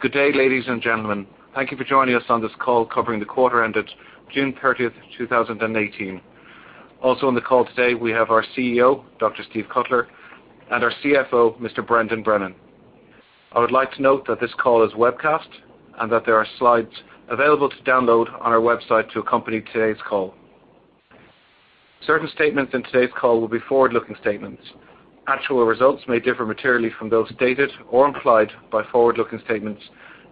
Good day, ladies and gentlemen. Thank you for joining us on this call covering the quarter ended June 30th, 2018. Also on the call today, we have our CEO, Dr. Steve Cutler, and our CFO, Mr. Brendan Brennan. I would like to note that this call is webcast and that there are slides available to download on our website to accompany today's call. Certain statements in today's call will be forward-looking statements. Actual results may differ materially from those stated or implied by forward-looking statements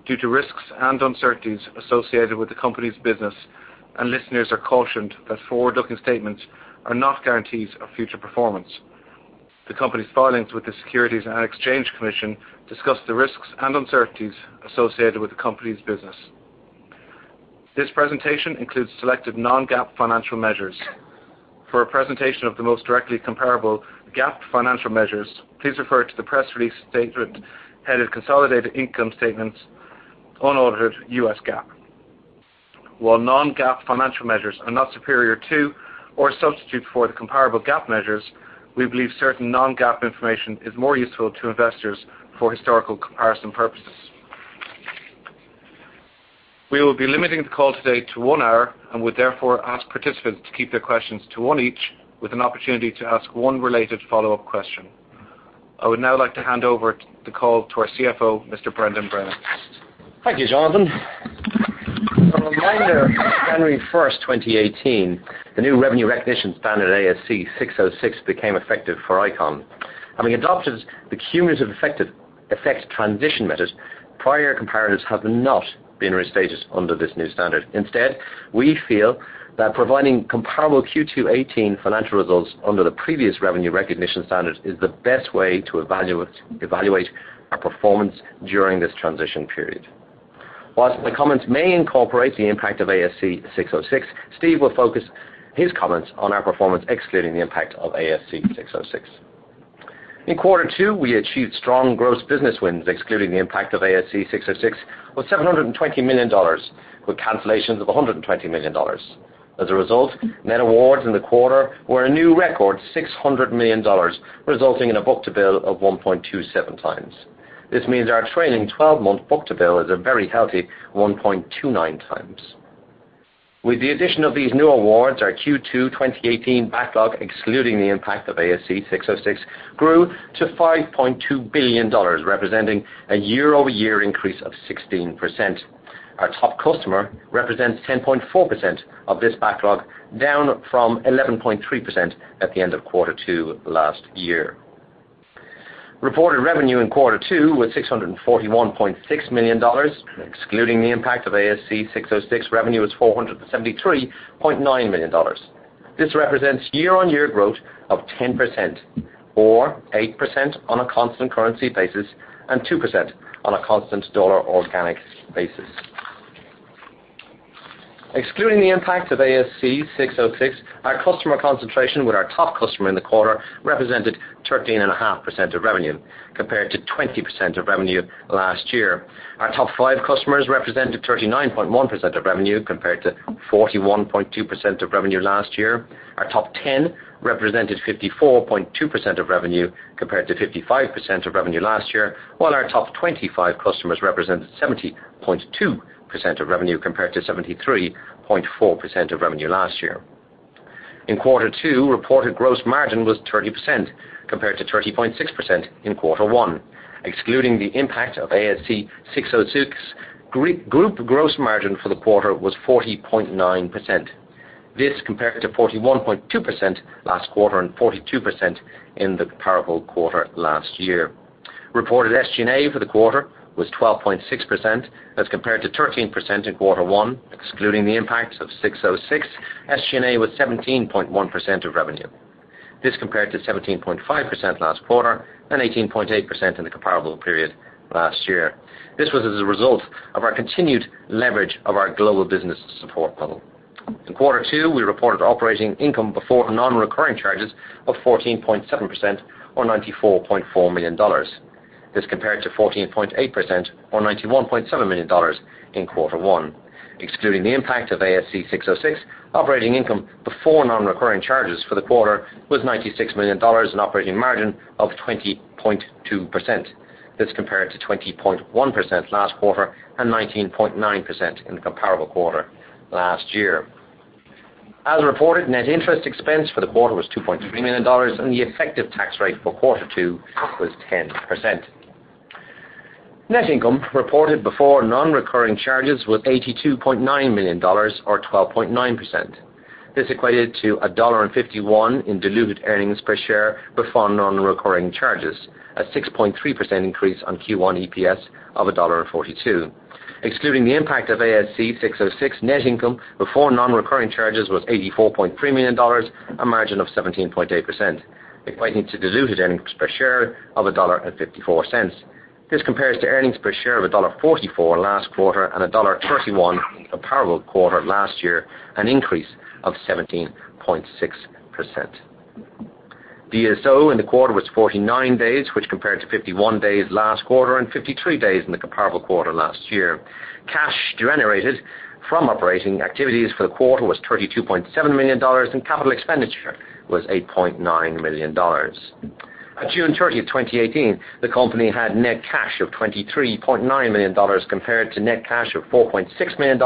due to risks and uncertainties associated with the company's business, and listeners are cautioned that forward-looking statements are not guarantees of future performance. The company's filings with the Securities and Exchange Commission discuss the risks and uncertainties associated with the company's business. This presentation includes selected non-GAAP financial measures. For a presentation of the most directly comparable GAAP financial measures, please refer to the press release statement headed Consolidated Income Statements. While non-GAAP financial measures are not superior to or substitute for the comparable GAAP measures, we believe certain non-GAAP information is more useful to investors for historical comparison purposes. We will be limiting the call today to one hour and would therefore ask participants to keep their questions to one each with an opportunity to ask one related follow-up question. I would now like to hand over the call to our CFO, Mr. Brendan Brennan. Thank you, Jonathan. A reminder, January 1st, 2018, the new revenue recognition standard ASC 606 became effective for ICON, and we adopted the cumulative effects transition methods. Prior comparatives have not been restated under this new standard. Instead, we feel that providing comparable Q2 '18 financial results under the previous revenue recognition standard is the best way to evaluate our performance during this transition period. Whilst my comments may incorporate the impact of ASC 606, Steve will focus his comments on our performance excluding the impact of ASC 606. In quarter two, we achieved strong gross business wins excluding the impact of ASC 606 with $720 million with cancellations of $120 million. As a result, net awards in the quarter were a new record $600 million, resulting in a book-to-bill of 1.27 times. This means our trailing 12-month book-to-bill is a very healthy 1.29 times. With the addition of these new awards, our Q2 2018 backlog, excluding the impact of ASC 606, grew to $5.2 billion, representing a year-over-year increase of 16%. Our top customer represents 10.4% of this backlog, down from 11.3% at the end of quarter two last year. Reported revenue in quarter two was $641.6 million. Excluding the impact of ASC 606, revenue was $473.9 million. This represents year-on-year growth of 10%, or 8% on a constant currency basis and 2% on a constant dollar organic basis. Excluding the impact of ASC 606, our customer concentration with our top customer in the quarter represented 13.5% of revenue, compared to 20% of revenue last year. Our top five customers represented 39.1% of revenue, compared to 41.2% of revenue last year. Our top 10 represented 54.2% of revenue compared to 55% of revenue last year, while our top 25 customers represented 70.2% of revenue compared to 73.4% of revenue last year. In quarter two, reported gross margin was 30%, compared to 30.6% in quarter one. Excluding the impact of ASC 606, group gross margin for the quarter was 40.9%. This compared to 41.2% last quarter and 42% in the comparable quarter last year. Reported SG&A for the quarter was 12.6% as compared to 13% in quarter one. Excluding the impact of 606, SG&A was 17.1% of revenue. This compared to 17.5% last quarter and 18.8% in the comparable period last year. This was as a result of our continued leverage of our global business services model. In quarter two, we reported operating income before non-recurring charges of 14.7%, or $94.4 million. This compared to 14.8%, or $91.7 million in quarter one. Excluding the impact of ASC 606, operating income before non-recurring charges for the quarter was $96 million, an operating margin of 20.2%. This compared to 20.1% last quarter and 19.9% in the comparable quarter last year. As reported, net interest expense for the quarter was $2.3 million, and the effective tax rate for quarter two was 10%. Net income reported before non-recurring charges was $82.9 million or 12.9%. This equated to $1.51 in diluted earnings per share before non-recurring charges, a 6.3% increase on Q1 EPS of $1.42. Excluding the impact of ASC 606, net income before non-recurring charges was $84.3 million, a margin of 17.8%, equating to diluted earnings per share of $1.54. This compares to earnings per share of $1.44 last quarter and $1.31 comparable quarter last year, an increase of 17.6%. DSO in the quarter was 49 days, which compared to 51 days last quarter and 53 days in the comparable quarter last year. Cash generated from operating activities for the quarter was $32.7 million, and capital expenditure was $8.9 million. At June 30th, 2018, the company had net cash of $23.9 million compared to net cash of $4.6 million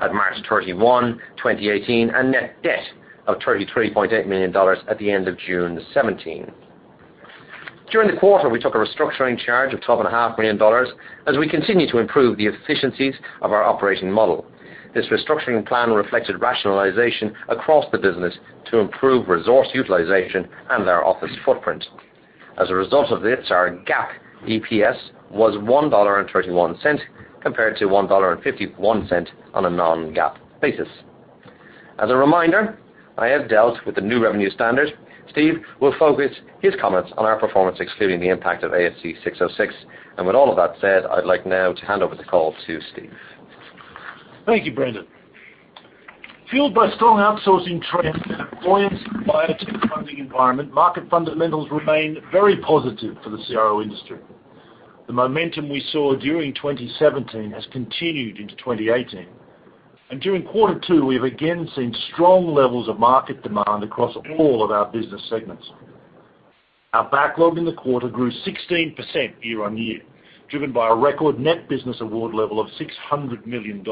at March 31, 2018, and net debt of $33.8 million at the end of June 2017. During the quarter, we took a restructuring charge of $12.5 million, as we continue to improve the efficiencies of our operating model. This restructuring plan reflected rationalization across the business to improve resource utilization and our office footprint. As a result of this, our GAAP EPS was $1.31 compared to $1.51 on a non-GAAP basis. As a reminder, I have dealt with the new revenue standard. Steve will focus his comments on our performance, excluding the impact of ASC 606. With all of that said, I'd like now to hand over the call to Steve. Thank you, Brendan. Fueled by strong outsourcing trends and a buoyant biotech funding environment, market fundamentals remain very positive for the CRO industry. The momentum we saw during 2017 has continued into 2018, and during quarter 2, we have again seen strong levels of market demand across all of our business segments. Our backlog in the quarter grew 16% year-on-year, driven by a record net business award level of $600 million.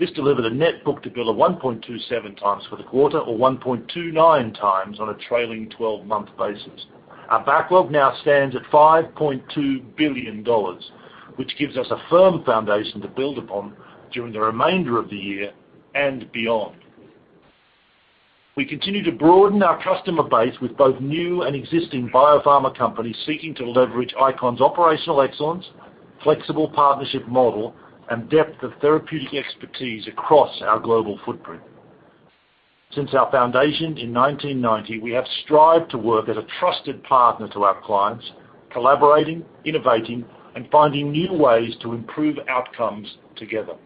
This delivered a net book-to-bill of 1.27 times for the quarter, or 1.29 times on a trailing 12-month basis. Our backlog now stands at $5.2 billion, which gives us a firm foundation to build upon during the remainder of the year and beyond. We continue to broaden our customer base with both new and existing biopharma companies seeking to leverage ICON's operational excellence, flexible partnership model, and depth of therapeutic expertise across our global footprint. Since our foundation in 1990, we have strived to work as a trusted partner to our clients, collaborating, innovating, and finding new ways to improve outcomes together.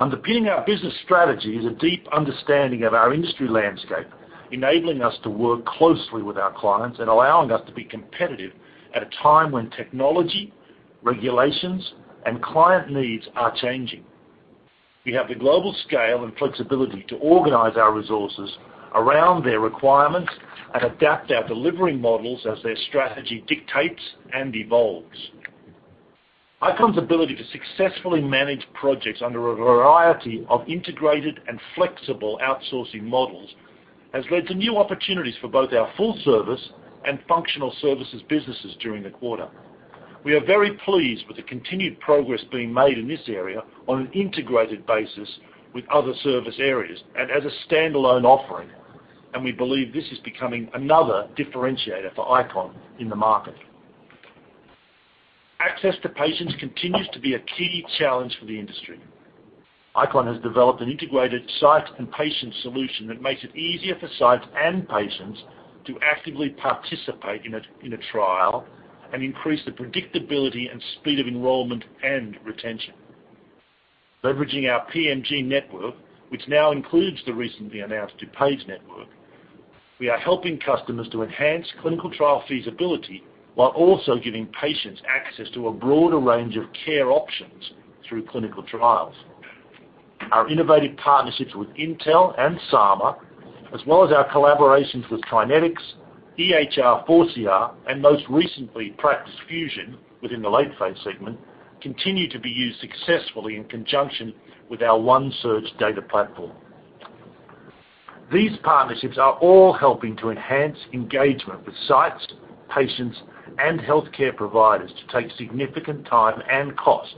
Underpinning our business strategy is a deep understanding of our industry landscape, enabling us to work closely with our clients and allowing us to be competitive at a time when technology, regulations, and client needs are changing. We have the global scale and flexibility to organize our resources around their requirements and adapt our delivery models as their strategy dictates and evolves. ICON's ability to successfully manage projects under a variety of integrated and flexible outsourcing models has led to new opportunities for both our full service and functional services businesses during the quarter. We are very pleased with the continued progress being made in this area on an integrated basis with other service areas and as a standalone offering, and we believe this is becoming another differentiator for ICON in the market. Access to patients continues to be a key challenge for the industry. ICON has developed an integrated site and patient solution that makes it easier for sites and patients to actively participate in a trial and increase the predictability and speed of enrollment and retention. Leveraging our PMG network, which now includes the recently announced DuPage network, we are helping customers to enhance clinical trial feasibility while also giving patients access to a broader range of care options through clinical trials. Our innovative partnerships with Intel and SambaNova, as well as our collaborations with TriNetX, EHR4CR, and most recently, Practice Fusion within the late-phase segment, continue to be used successfully in conjunction with our OneSearch data platform. These partnerships are all helping to enhance engagement with sites, patients, and healthcare providers to take significant time and cost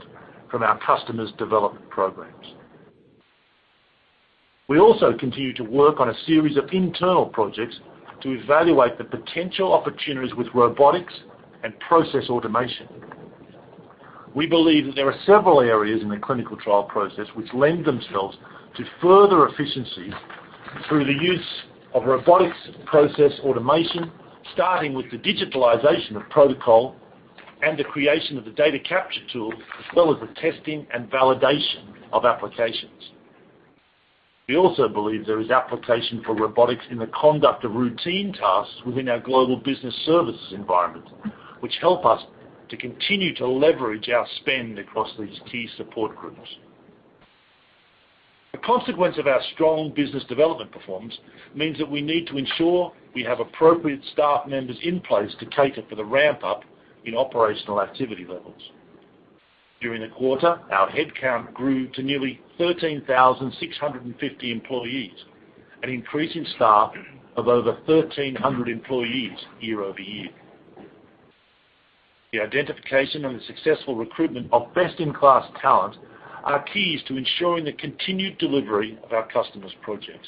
from our customers' development programs. We also continue to work on a series of internal projects to evaluate the potential opportunities with robotics and process automation. We believe that there are several areas in the clinical trial process which lend themselves to further efficiency through the use of robotics process automation, starting with the digitalization of protocol and the creation of the data capture tool, as well as the testing and validation of applications. We also believe there is application for robotics in the conduct of routine tasks within our global business services environment, which help us to continue to leverage our spend across these key support groups. The consequence of our strong business development performance means that we need to ensure we have appropriate staff members in place to cater for the ramp-up in operational activity levels. During the quarter, our headcount grew to nearly 13,650 employees, an increase in staff of over 1,300 employees year-over-year. The identification and the successful recruitment of best-in-class talent are keys to ensuring the continued delivery of our customers' projects.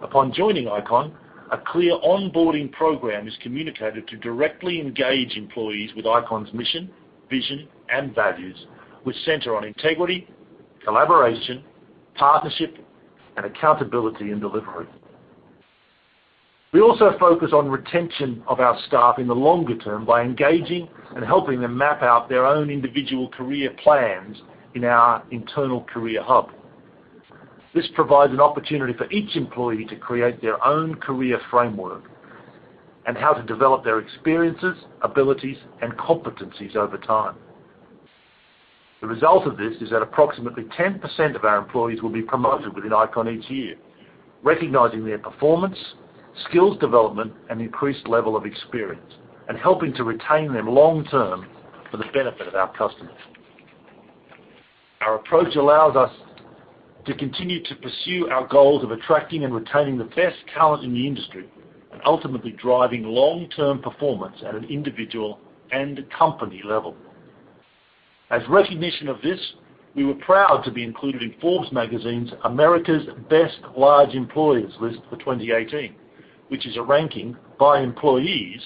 Upon joining ICON, a clear onboarding program is communicated to directly engage employees with ICON's mission, vision, and values, which center on integrity, collaboration, partnership, and accountability in delivery. We also focus on retention of our staff in the longer term by engaging and helping them map out their own individual career plans in our internal career hub. This provides an opportunity for each employee to create their own career framework and how to develop their experiences, abilities, and competencies over time. The result of this is that approximately 10% of our employees will be promoted within ICON each year, recognizing their performance, skills development, and increased level of experience, and helping to retain them long-term for the benefit of our customers. Our approach allows us to continue to pursue our goals of attracting and retaining the best talent in the industry, and ultimately driving long-term performance at an individual and company level. As recognition of this, we were proud to be included in Forbes magazine's America's Best Large Employers list for 2018, which is a ranking by employees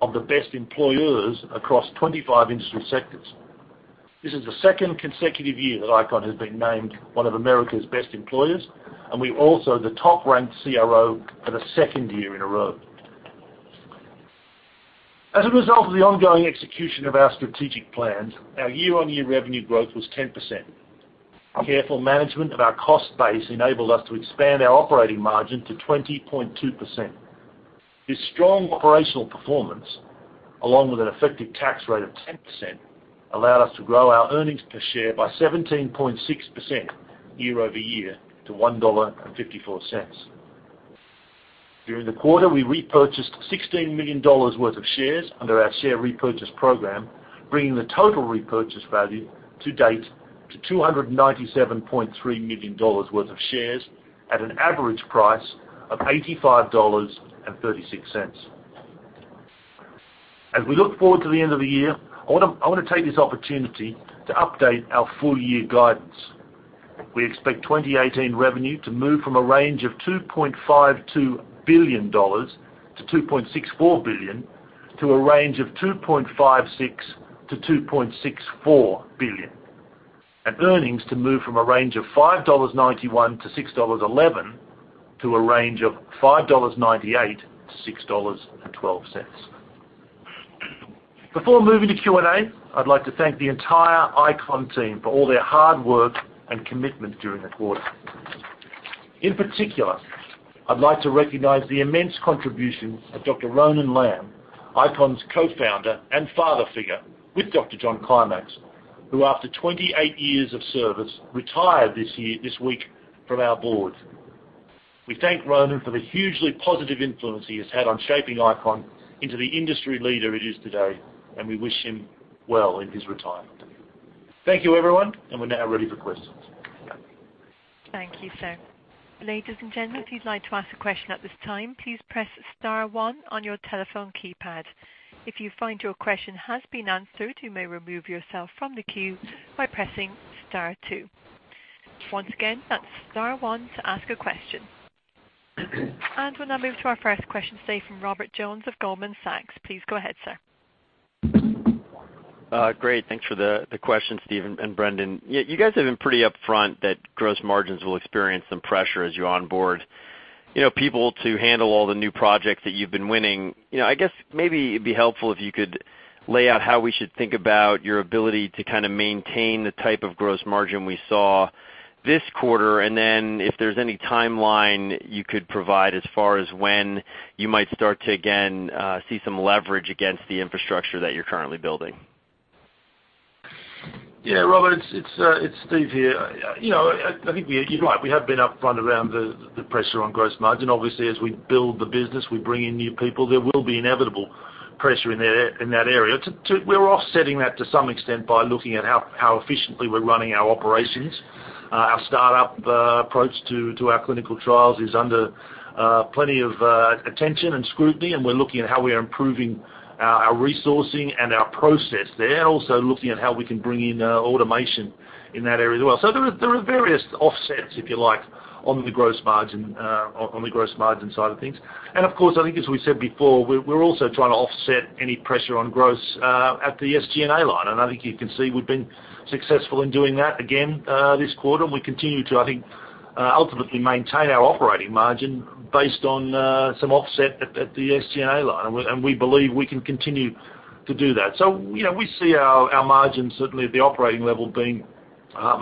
of the best employers across 25 industry sectors. This is the second consecutive year that ICON has been named one of America's best employers, and we're also the top-ranked CRO for the second year in a row. As a result of the ongoing execution of our strategic plans, our year-on-year revenue growth was 10%. Careful management of our cost base enabled us to expand our operating margin to 20.2%. This strong operational performance, along with an effective tax rate of 10%, allowed us to grow our earnings per share by 17.6% year-over-year to $1.54. During the quarter, we repurchased $16 million worth of shares under our share repurchase program, bringing the total repurchase value to date to $297.3 million worth of shares at an average price of $85.36. As we look forward to the end of the year, I want to take this opportunity to update our full-year guidance. We expect 2018 revenue to move from a range of $2.52 billion-$2.64 billion to a range of $2.56 billion-$2.64 billion, and earnings to move from a range of $5.91-$6.11 to a range of $5.98-$6.12. Before moving to Q&A, I'd like to thank the entire ICON team for all their hard work and commitment during the quarter. In particular, I'd like to recognize the immense contribution of Dr. Ronan Lambe, ICON's co-founder and father figure with Dr. John Climax, who, after 28 years of service, retired this week from our board. We thank Ronan for the hugely positive influence he has had on shaping ICON into the industry leader it is today, and we wish him well in his retirement. Thank you, everyone, and we're now ready for questions. Thank you, sir. Ladies and gentlemen, if you'd like to ask a question at this time, please press star one on your telephone keypad. If you find your question has been answered, you may remove yourself from the queue by pressing star two. Once again, that's star one to ask a question. We'll now move to our first question today from Robert Jones of Goldman Sachs. Please go ahead, sir. Great. Thanks for the question, Steve and Brendan. You guys have been pretty upfront that gross margins will experience some pressure as you onboard people to handle all the new projects that you've been winning. I guess maybe it'd be helpful if you could lay out how we should think about your ability to maintain the type of gross margin we saw this quarter, then if there's any timeline you could provide as far as when you might start to, again, see some leverage against the infrastructure that you're currently building. Yeah. Robert, it's Steve here. I think you're right. We have been upfront around the pressure on gross margin. Obviously, as we build the business, we bring in new people, there will be inevitable pressure in that area. We're offsetting that to some extent by looking at how efficiently we're running our operations. Our startup approach to our clinical trials is under plenty of attention and scrutiny, and we're looking at how we are improving our resourcing and our process there, and also looking at how we can bring in automation in that area as well. There are various offsets, if you like, on the gross margin side of things. Of course, I think as we said before, we're also trying to offset any pressure on gross at the SG&A line. I think you can see we've been successful in doing that again this quarter, and we continue to, I think, ultimately maintain our operating margin based on some offset at the SG&A line. We believe we can continue to do that. We see our margins certainly at the operating level being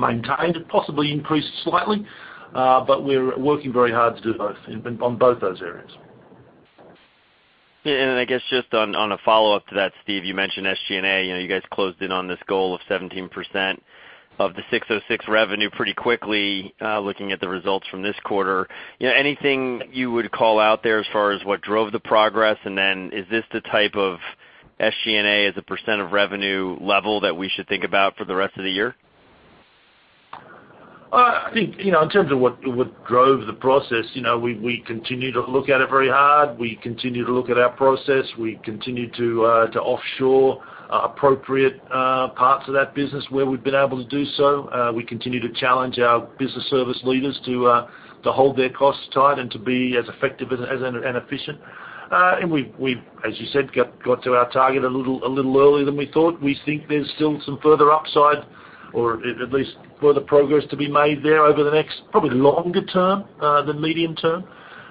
maintained, possibly increased slightly. We're working very hard to do both on both those areas. I guess just on a follow-up to that, Steve, you mentioned SG&A. You guys closed in on this goal of 17% of the 606 revenue pretty quickly, looking at the results from this quarter. Anything you would call out there as far as what drove the progress, is this the type of SG&A as a percent of revenue level that we should think about for the rest of the year? I think, in terms of what drove the process, we continue to look at it very hard. We continue to look at our process. We continue to offshore appropriate parts of that business where we've been able to do so. We continue to challenge our business service leaders to hold their costs tight and to be as effective and efficient. We've, as you said, got to our target a little early than we thought. We think there's still some further upside, or at least further progress to be made there over the next probably longer term than medium term.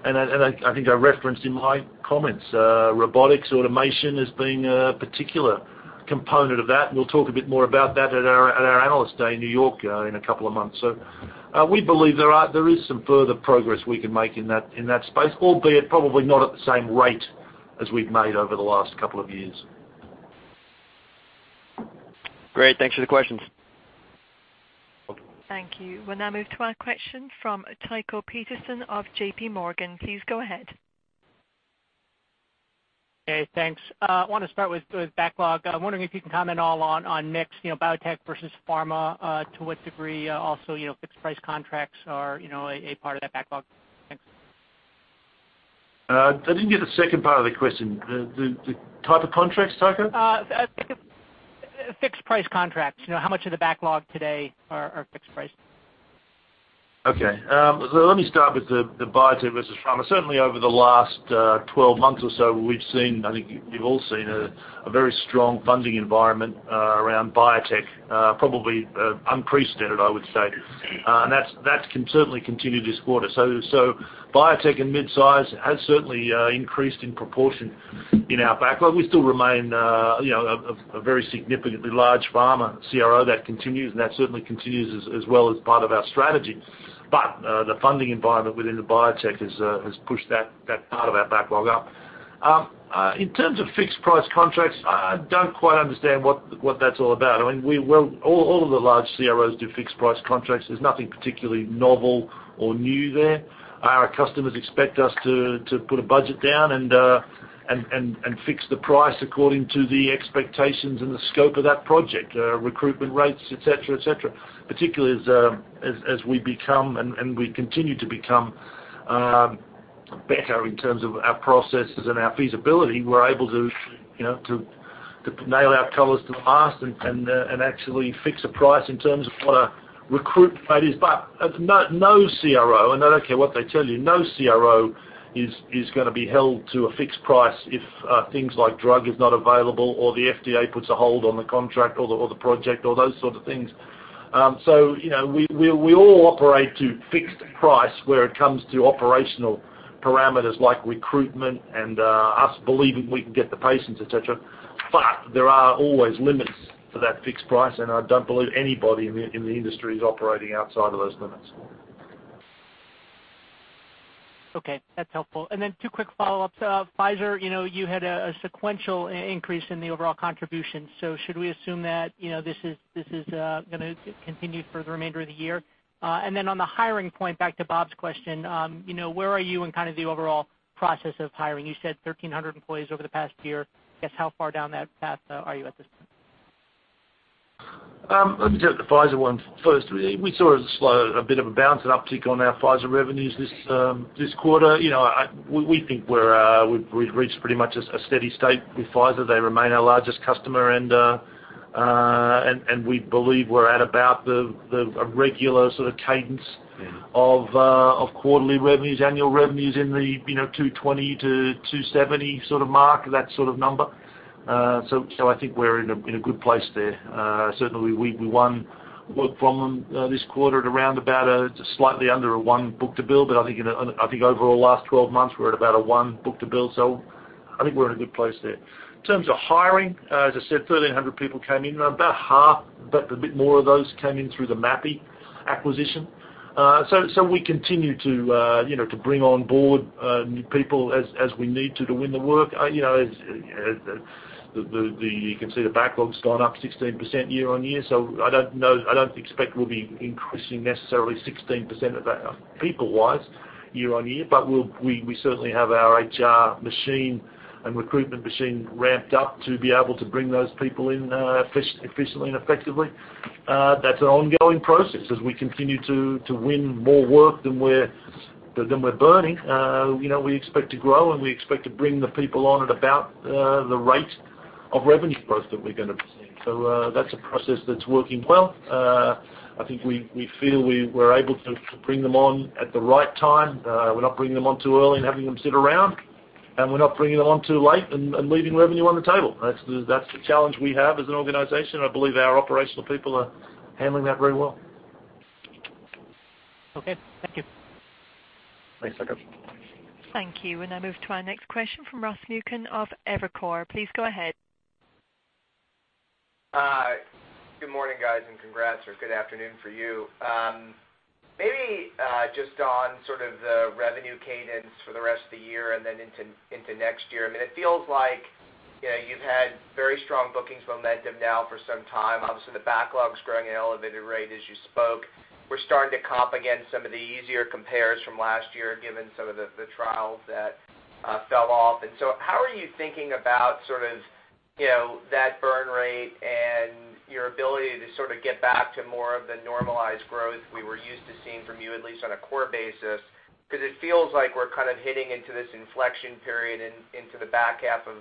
I think I referenced in my comments, robotics automation as being a particular component of that, and we'll talk a bit more about that at our Analyst Day in New York in a couple of months. We believe there is some further progress we can make in that space, albeit probably not at the same rate as we've made over the last couple of years. Great. Thanks for the questions. Thank you. We'll now move to our question from Tycho Peterson of JP Morgan. Please go ahead. Hey, thanks. I want to start with backlog. I'm wondering if you can comment all on mix, biotech versus pharma, to what degree also fixed price contracts are a part of that backlog. Thanks. I didn't get the second part of the question. The type of contracts, Tycho? Fixed price contracts, how much of the backlog today are fixed price? Okay. Let me start with the biotech versus pharma. Certainly, over the last 12 months or so, we've seen, I think you've all seen a very strong funding environment around biotech. Probably unprecedented, I would say. That can certainly continue this quarter. Biotech and mid-size has certainly increased in proportion in our backlog. We still remain a very significantly large pharma CRO that continues, and that certainly continues as well as part of our strategy. The funding environment within the biotech has pushed that part of our backlog up. In terms of fixed price contracts, I don't quite understand what that's all about. All of the large CROs do fixed price contracts. There's nothing particularly novel or new there. Our customers expect us to put a budget down and fix the price according to the expectations and the scope of that project, recruitment rates, et cetera. Particularly as we become, and we continue to become better in terms of our processes and our feasibility, we're able to nail our colors to the mast and actually fix a price in terms of what a recruit rate is. No CRO, and I don't care what they tell you, no CRO is going to be held to a fixed price if things like drug is not available or the FDA puts a hold on the contract or the project or those sort of things. We all operate to fixed price where it comes to operational parameters like recruitment and us believing we can get the patients, et cetera. There are always limits for that fixed price, and I don't believe anybody in the industry is operating outside of those limits. Okay, that's helpful. Two quick follow-ups. Pfizer, you had a sequential increase in the overall contribution. Should we assume that this is going to continue for the remainder of the year? On the hiring point, back to Bob's question, where are you in kind of the overall process of hiring? You said 1,300 employees over the past year. I guess, how far down that path are you at this point? Let me take the Pfizer one first. We saw a slow, a bit of a bounce, an uptick on our Pfizer revenues this quarter. We think we've reached pretty much a steady state with Pfizer. They remain our largest customer, and we believe we're at about the regular sort of cadence of quarterly revenues, annual revenues in the $220 million-$270 million sort of mark, that sort of number. I think we're in a good place there. Certainly, we won work from them this quarter at around about a slightly under a one book-to-bill, but I think overall last 12 months, we're at about a one book-to-bill. I think we're in a good place there. In terms of hiring, as I said, 1,300 people came in. About half, but a bit more of those came in through the Mapi acquisition. We continue to bring on board new people as we need to win the work. You can see the backlog's gone up 16% year-on-year. I don't expect we'll be increasing necessarily 16% of that people-wise year-on-year, but we certainly have our HR machine and recruitment machine ramped up to be able to bring those people in efficiently and effectively. That's an ongoing process as we continue to win more work than we're burning. We expect to grow, and we expect to bring the people on at about the rate of revenue growth that we're going to be seeing. That's a process that's working well. I think we feel we were able to bring them on at the right time. We're not bringing them on too early and having them sit around, and we're not bringing them on too late and leaving revenue on the table. That's the challenge we have as an organization. I believe our operational people are handling that very well. Okay. Thank you. Thanks, Tycho. Thank you. We now move to our next question from Ross Muken of Evercore. Please go ahead. Good morning, guys, and congrats, or good afternoon for you. Maybe just on sort of the revenue cadence for the rest of the year and then into next year. It feels like you've had very strong bookings momentum now for some time. Obviously, the backlog's growing at an elevated rate as you spoke. We're starting to comp against some of the easier compares from last year given some of the trials that fell off. How are you thinking about sort of that burn rate and your ability to sort of get back to more of the normalized growth we were used to seeing from you, at least on a core basis? It feels like we're kind of hitting into this inflection period into the back half of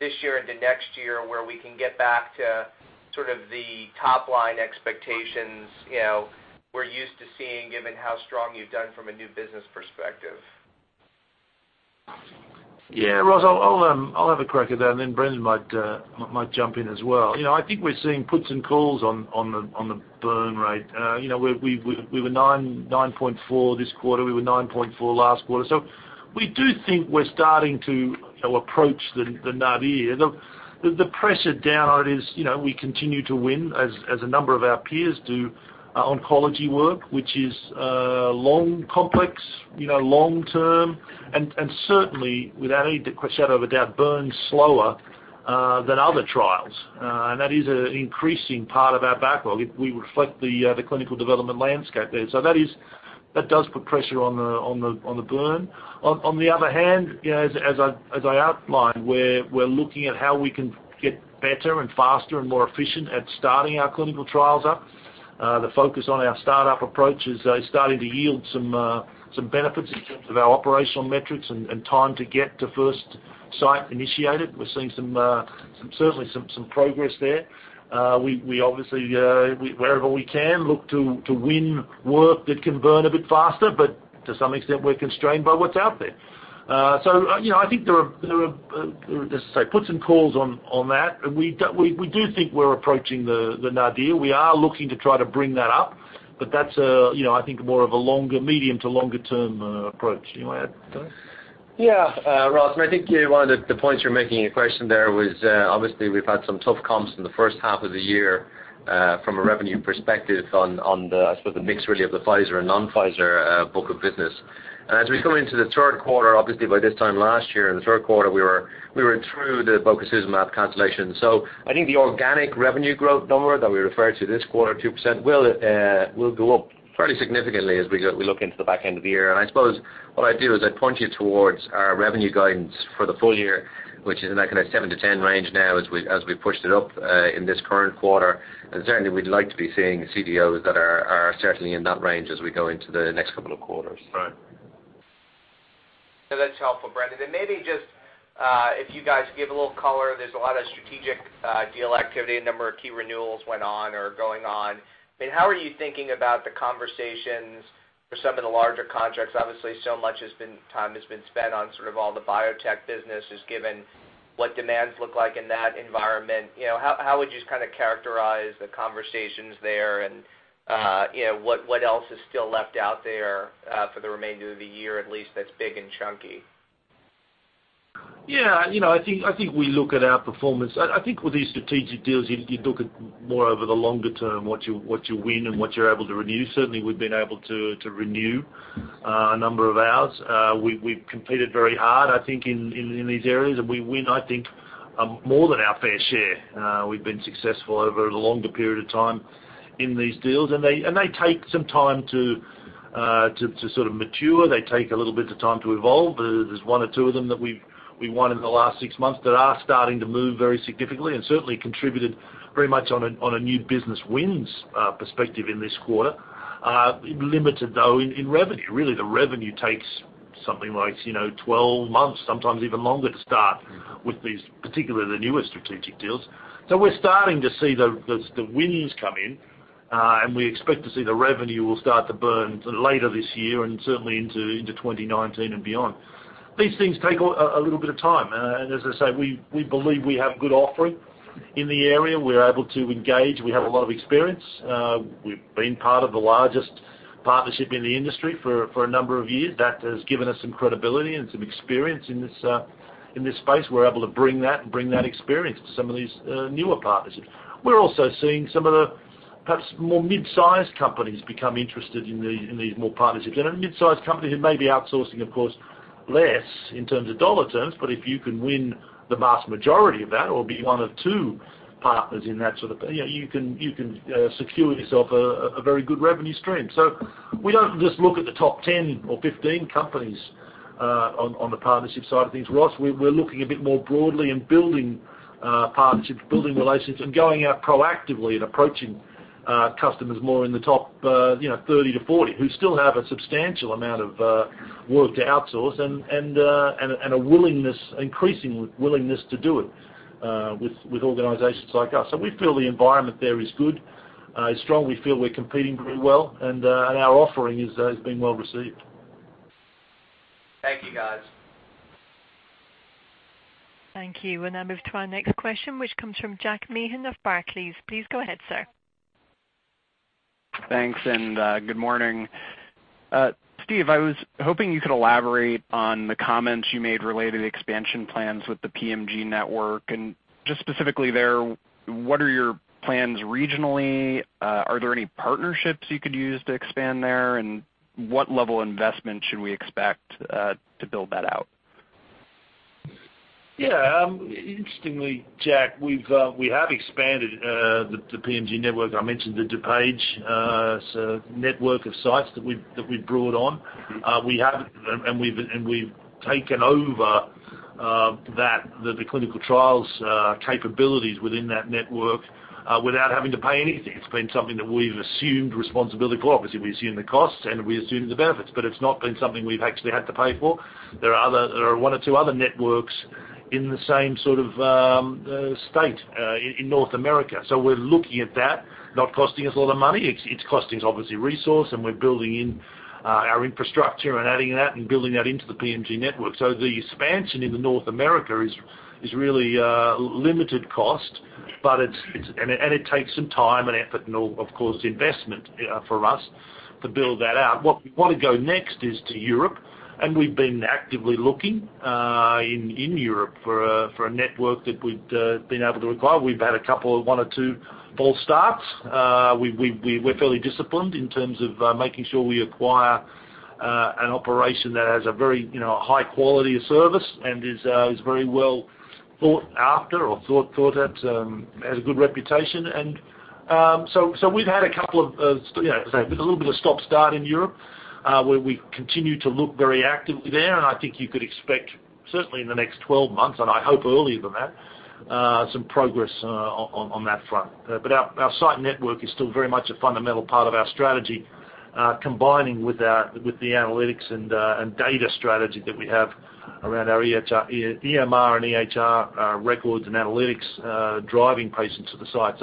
this year into next year, where we can get back to sort of the top-line expectations we're used to seeing given how strong you've done from a new business perspective. Yeah, Ross, I'll have a crack at that, and then Brendan might jump in as well. I think we're seeing puts and calls on the burn rate. We were 9.4 this quarter. We were 9.4 last quarter. We do think we're starting to approach the nadir. The pressure down on it is we continue to win as a number of our peers do oncology work, which is long, complex, long-term, and certainly, without any shadow of a doubt, burns slower than other trials. That is an increasing part of our backlog. We reflect the clinical development landscape there. That does put pressure on the burn. On the other hand, as I outlined, we're looking at how we can get better and faster and more efficient at starting our clinical trials up. The focus on our startup approach is starting to yield some benefits in terms of our operational metrics and time to get to first site initiated. We're seeing certainly some progress there. We obviously, wherever we can, look to win work that can burn a bit faster, but to some extent, we're constrained by what's out there. I think there are, as I say, puts and calls on that. We do think we're approaching the nadir. We are looking to try to bring that up, but that's I think more of a medium to longer term approach. You want to add to that? Yeah. Ross, I think one of the points you're making in your question there was, obviously, we've had some tough comps in the first half of the year from a revenue perspective on the, I suppose, the mix really of the Pfizer and non-Pfizer book of business. As we come into the third quarter, obviously, by this time last year, in the third quarter, we were through the bococizumab cancellation. I think the organic revenue growth number that we referred to this quarter, 2%, will go up fairly significantly as we look into the back end of the year. I suppose what I'd do is I'd point you towards our revenue guidance for the full year, which is in that kind of 7%-10% range now as we pushed it up in this current quarter. Certainly, we'd like to be seeing CDOs that are certainly in that range as we go into the next couple of quarters. Right. That's helpful, Brendan. Maybe just if you guys could give a little color, there's a lot of strategic deal activity, a number of key renewals went on or are going on. How are you thinking about the conversations for some of the larger contracts? Obviously, so much time has been spent on sort of all the biotech business, just given what demands look like in that environment. How would you just characterize the conversations there, and what else is still left out there for the remainder of the year at least that's big and chunky? I think we look at our performance. I think with these strategic deals, you look at more over the longer term what you win and what you're able to renew. Certainly, we've been able to renew a number of ours. We've competed very hard, I think, in these areas, and we win, I think, more than our fair share. We've been successful over a longer period of time in these deals. They take some time to sort of mature. They take a little bit of time to evolve. There's one or two of them that we've won in the last six months that are starting to move very significantly and certainly contributed very much on a new business wins perspective in this quarter. Limited, though, in revenue. Really, the revenue takes something like 12 months, sometimes even longer to start with these, particularly the newer strategic deals. We're starting to see the wins come in. We expect to see the revenue will start to burn later this year and certainly into 2019 and beyond. These things take a little bit of time. As I say, we believe we have good offering in the area. We're able to engage. We have a lot of experience. We've been part of the largest partnership in the industry for a number of years. That has given us some credibility and some experience in this space. We're able to bring that experience to some of these newer partnerships. We're also seeing some of the perhaps more mid-size companies become interested in these more partnerships. A mid-size company who may be outsourcing, of course, less in terms of dollar terms, but if you can win the vast majority of that or be one of two partners in that sort of thing, you can secure yourself a very good revenue stream. We don't just look at the top 10 or 15 companies on the partnership side of things, Ross. We're looking a bit more broadly and building partnerships, building relationships, and going out proactively and approaching customers more in the top 30 to 40, who still have a substantial amount of work to outsource and an increasing willingness to do it with organizations like us. We feel the environment there is good. It's strong. We feel we're competing pretty well, and our offering has been well received. Thank you, guys. Thank you. We'll now move to our next question, which comes from Jack Meehan of Barclays. Please go ahead, sir. Thanks. Good morning. Steve, I was hoping you could elaborate on the comments you made related to expansion plans with the PMG network, just specifically there, what are your plans regionally? Are there any partnerships you could use to expand there? What level of investment should we expect to build that out? Yeah. Interestingly, Jack, we have expanded the PMG network. I mentioned the DuPage network of sites that we've brought on. We've taken over the clinical trials capabilities within that network without having to pay anything. It's been something that we've assumed responsibility for. Obviously, we assume the costs, and we assume the benefits, but it's not been something we've actually had to pay for. There are one or two other networks in the same sort of state in North America. We're looking at that, not costing us a lot of money. It's costing us obviously resource, and we're building in our infrastructure and adding that and building that into the PMG network. The expansion in North America is really limited cost, and it takes some time and effort and, of course, investment for us to build that out. Where we want to go next is to Europe, we've been actively looking in Europe for a network that we've been able to acquire. We've had a couple of one or two false starts. We're fairly disciplined in terms of making sure we acquire an operation that has a very high quality of service and is very well thought after or has a good reputation. We've had a couple of, as I say, a little bit of stop-start in Europe, where we continue to look very actively there, I think you could expect, certainly in the next 12 months, I hope earlier than that, some progress on that front. Our site network is still very much a fundamental part of our strategy, combining with the analytics and data strategy that we have around our EMR and EHR records and analytics driving patients to the site.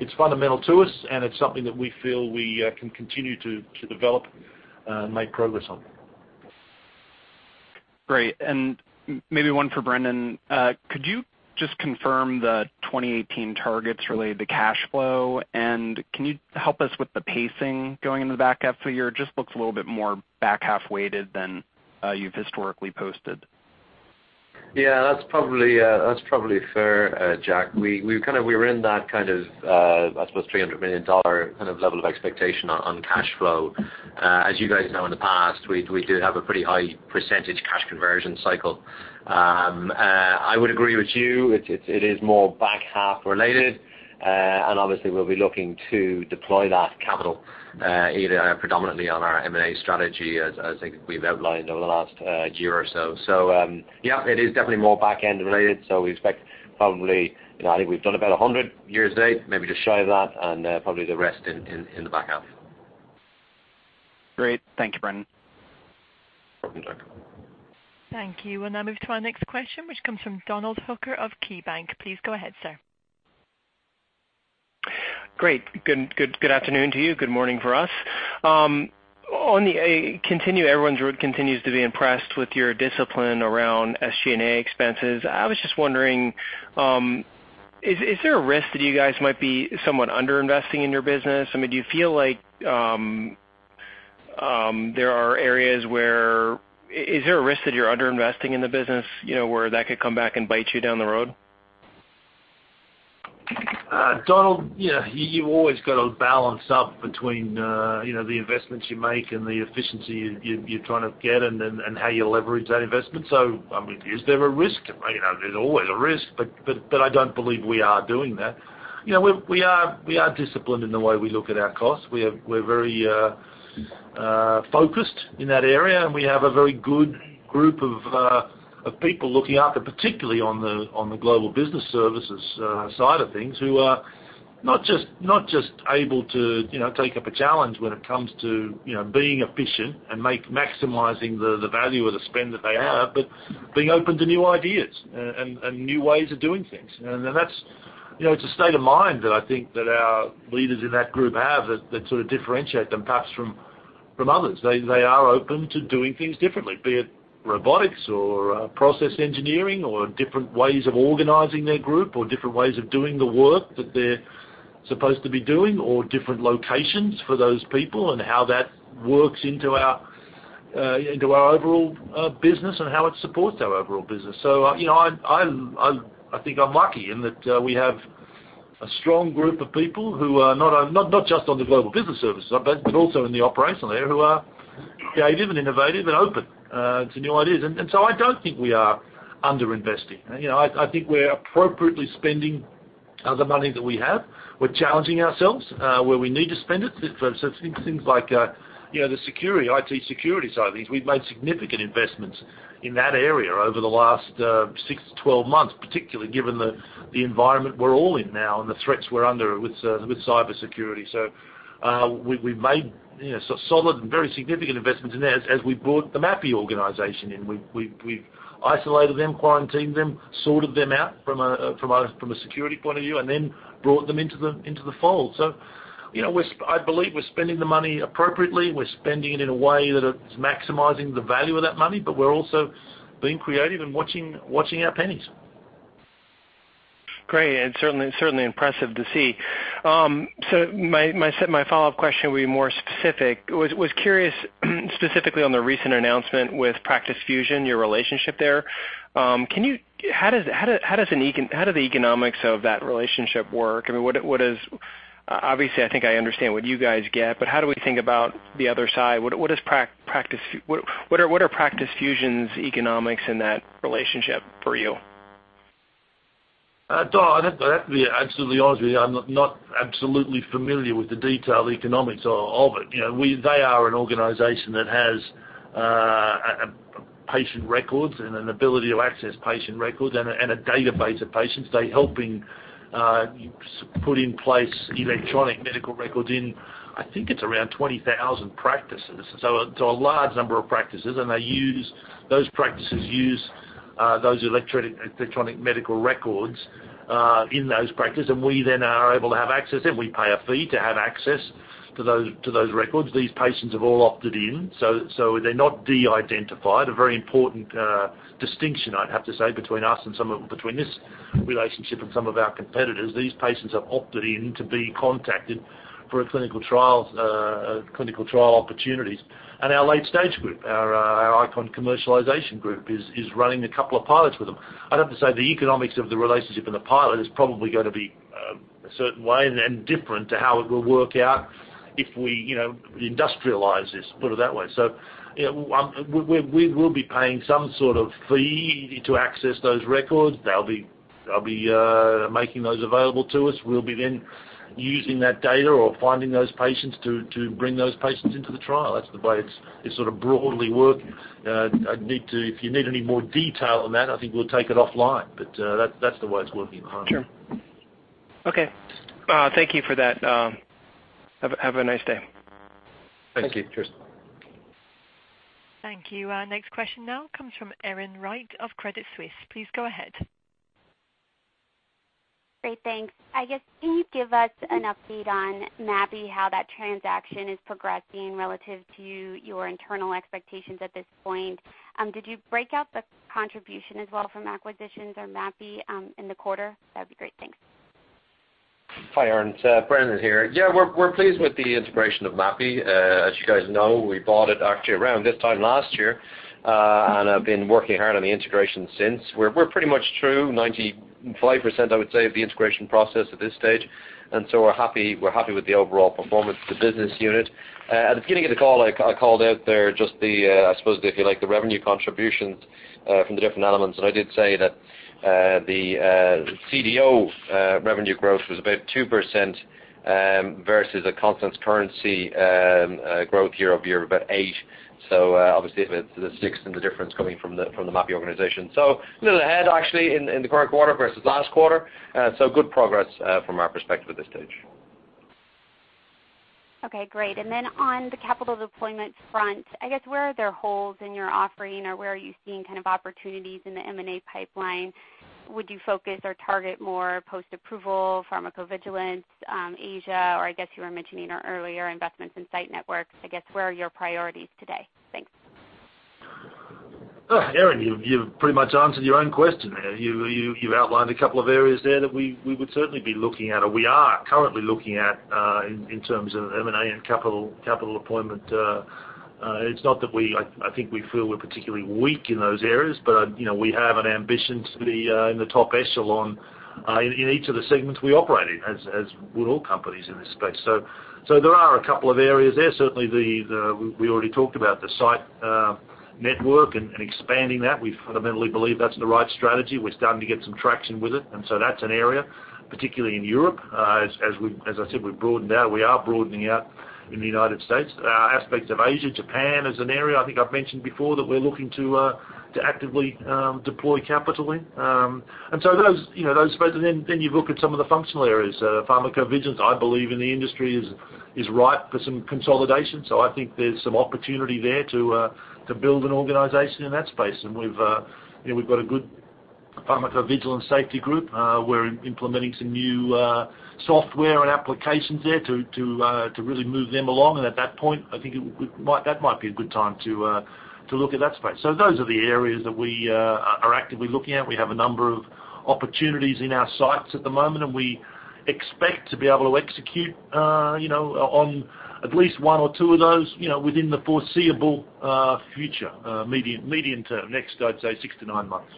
It's fundamental to us, it's something that we feel we can continue to develop and make progress on. Great. Maybe one for Brendan. Could you just confirm the 2018 targets related to cash flow? Can you help us with the pacing going into the back half of the year? It just looks a little bit more back-half weighted than you've historically posted. Yeah, that's probably fair, Jack. We're in that kind of, I suppose $300 million kind of level of expectation on cash flow. As you guys know, in the past, we do have a pretty high percentage cash conversion cycle. I would agree with you. It is more back-half related. Obviously, we'll be looking to deploy that capital either predominantly on our M&A strategy as I think we've outlined over the last year or so. Yeah, it is definitely more back-end related. We expect probably, I think we've done about $100 million year to date, maybe just shy of that, and probably the rest in the back half. Great. Thank you, Brendan. Welcome, Jack. Thank you. We'll now move to our next question, which comes from Donald Hooker of KeyBank. Please go ahead, sir. Great. Good afternoon to you. Good morning for us. Everyone continues to be impressed with your discipline around SG&A expenses. I was just wondering, is there a risk that you guys might be somewhat under-investing in your business? I mean, Is there a risk that you're under-investing in the business, where that could come back and bite you down the road? Donald, you've always got to balance up between the investments you make and the efficiency you're trying to get and how you leverage that investment. I mean, is there a risk? There's always a risk, but I don't believe we are doing that. We are disciplined in the way we look at our costs. We're very focused in that area, and we have a very good group of people looking after, particularly on the global business services side of things, who are not just able to take up a challenge when it comes to being efficient and maximizing the value of the spend that they have, but being open to new ideas and new ways of doing things. It's a state of mind that I think that our leaders in that group have that sort of differentiate them perhaps from others. They are open to doing things differently, be it robotics or process engineering or different ways of organizing their group or different ways of doing the work that they're supposed to be doing or different locations for those people and how that works into our overall business and how it supports our overall business. I think I'm lucky in that we have a strong group of people who are not just on the global business services, but also in the operational area, who are creative and innovative and open to new ideas. I don't think we are under-investing. I think we're appropriately spending the money that we have. We're challenging ourselves where we need to spend it for things like the IT security side of things. We've made significant investments in that area over the last six to 12 months, particularly given the environment we're all in now and the threats we're under with cybersecurity. We've made solid and very significant investments in there as we brought the Mapi organization in. We've isolated them, quarantined them, sorted them out from a security point of view, and then brought them into the fold. I believe we're spending the money appropriately. We're spending it in a way that is maximizing the value of that money, but we're also being creative and watching our pennies. Great, and certainly impressive to see. My follow-up question will be more specific. Was curious specifically on the recent announcement with Practice Fusion, your relationship there. How do the economics of that relationship work? Obviously, I think I understand what you guys get, but how do we think about the other side? What are Practice Fusion's economics in that relationship for you? Don, I have to be absolutely honest with you, I'm not absolutely familiar with the detailed economics of it. They are an organization that has patient records and an ability to access patient records and a database of patients. They're helping put in place electronic medical records in, I think it's around 20,000 practices. It's a large number of practices, and those practices use electronic medical records in those practices, and we then are able to have access, and we pay a fee to have access to those records. These patients have all opted in, so they're not de-identified, a very important distinction, I'd have to say, between this relationship and some of our competitors. These patients have opted in to be contacted for clinical trial opportunities. Our late-stage group, our ICON Commercialization group, is running a couple of pilots with them. I'd have to say the economics of the relationship and the pilot is probably going to be a certain way and different to how it will work out if we industrialize this, put it that way. We will be paying some sort of fee to access those records. They'll be making those available to us. We'll be then using that data or finding those patients to bring those patients into the trial. That's the way it's sort of broadly working. If you need any more detail on that, I think we'll take it offline. That's the way it's working at the moment. Sure. Okay. Thank you for that. Have a nice day. Thank you. Thank you. Cheers. Thank you. Our next question now comes from Erin Wright of Credit Suisse. Please go ahead. Great. Thanks. I guess, can you give us an update on Mapi, how that transaction is progressing relative to your internal expectations at this point? Did you break out the contribution as well from acquisitions or Mapi in the quarter? That'd be great. Thanks. Hi, Erin. Brendan here. Yeah, we're pleased with the integration of Mapi. As you guys know, we bought it actually around this time last year and have been working hard on the integration since. We're pretty much through 95%, I would say, of the integration process at this stage. We're happy with the overall performance of the business unit. At the beginning of the call, I called out there just the, I suppose, if you like, the revenue contributions from the different elements. I did say that the CDO revenue growth was about 2% versus a constant currency growth year-over-year of about 8%. Obviously, the 6% and the difference coming from the Mapi organization. A little ahead actually in the current quarter versus last quarter. Good progress from our perspective at this stage. Okay, great. Then on the capital deployment front, I guess, where are there holes in your offering, or where are you seeing opportunities in the M&A pipeline? Would you focus or target more post-approval, pharmacovigilance, Asia, or I guess you were mentioning earlier investments in site networks? I guess, where are your priorities today? Thanks. Erin, you've pretty much answered your own question there. You outlined a couple of areas there that we would certainly be looking at, or we are currently looking at in terms of M&A and capital deployment. It's not that I think we feel we're particularly weak in those areas, but we have an ambition to be in the top echelon in each of the segments we operate in, as would all companies in this space. There are a couple of areas there. Certainly, we already talked about the site network and expanding that. We fundamentally believe that's the right strategy. We're starting to get some traction with it, that's an area, particularly in Europe. As I said, we've broadened out. We are broadening out in the U.S. Aspects of Asia, Japan is an area I think I've mentioned before that we're looking to actively deploy capital in. Those spaces. You look at some of the functional areas. Pharmacovigilance, I believe in the industry, is ripe for some consolidation. I think there's some opportunity there to build an organization in that space. We've got a good pharmacovigilance safety group. We're implementing some new software and applications there to really move them along, at that point, I think that might be a good time to look at that space. Those are the areas that we are actively looking at. We have a number of opportunities in our sights at the moment, we expect to be able to execute on at least one or two of those within the foreseeable future. Medium-term. Next, I'd say six to nine months.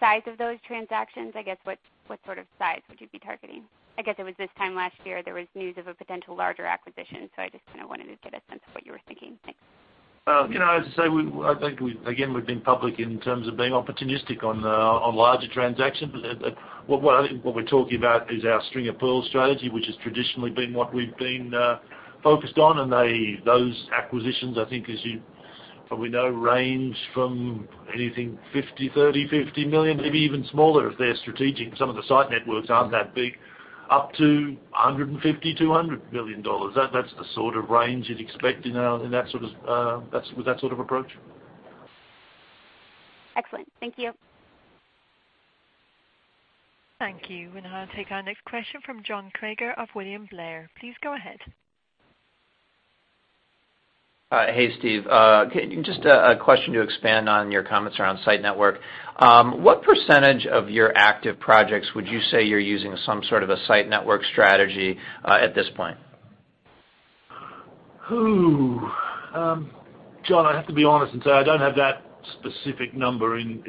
Size of those transactions, I guess, what sort of size would you be targeting? I guess it was this time last year, there was news of a potential larger acquisition, I just wanted to get a sense of what you were thinking. Thanks. As I say, I think, again, we've been public in terms of being opportunistic on larger transactions. What I think what we're talking about is our string-of-pearls strategy, which has traditionally been what we've been focused on, and those acquisitions, I think as you probably know, range from anything $30 million, $50 million, maybe even smaller if they're strategic. Some of the site networks aren't that big. Up to $150 million, $200 million. That's the sort of range you'd expect with that sort of approach. Excellent. Thank you. Thank you. We'll now take our next question from John Kreger of William Blair. Please go ahead. Hey, Steve. Just a question to expand on your comments around site network. What % of your active projects would you say you're using some sort of a site network strategy at this point? John, I have to be honest and say I don't have that specific number in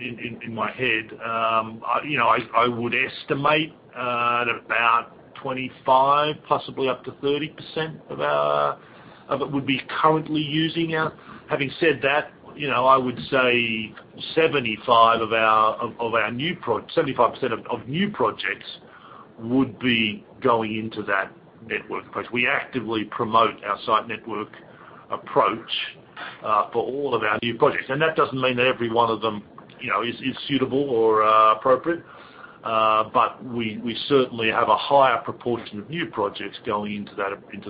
my head. I would estimate at about 25, possibly up to 30% of it would be currently using. Having said that, I would say 75% of new projects would be going into that network approach. We actively promote our site network approach for all of our new projects. That doesn't mean that every one of them is suitable or appropriate. We certainly have a higher proportion of new projects going into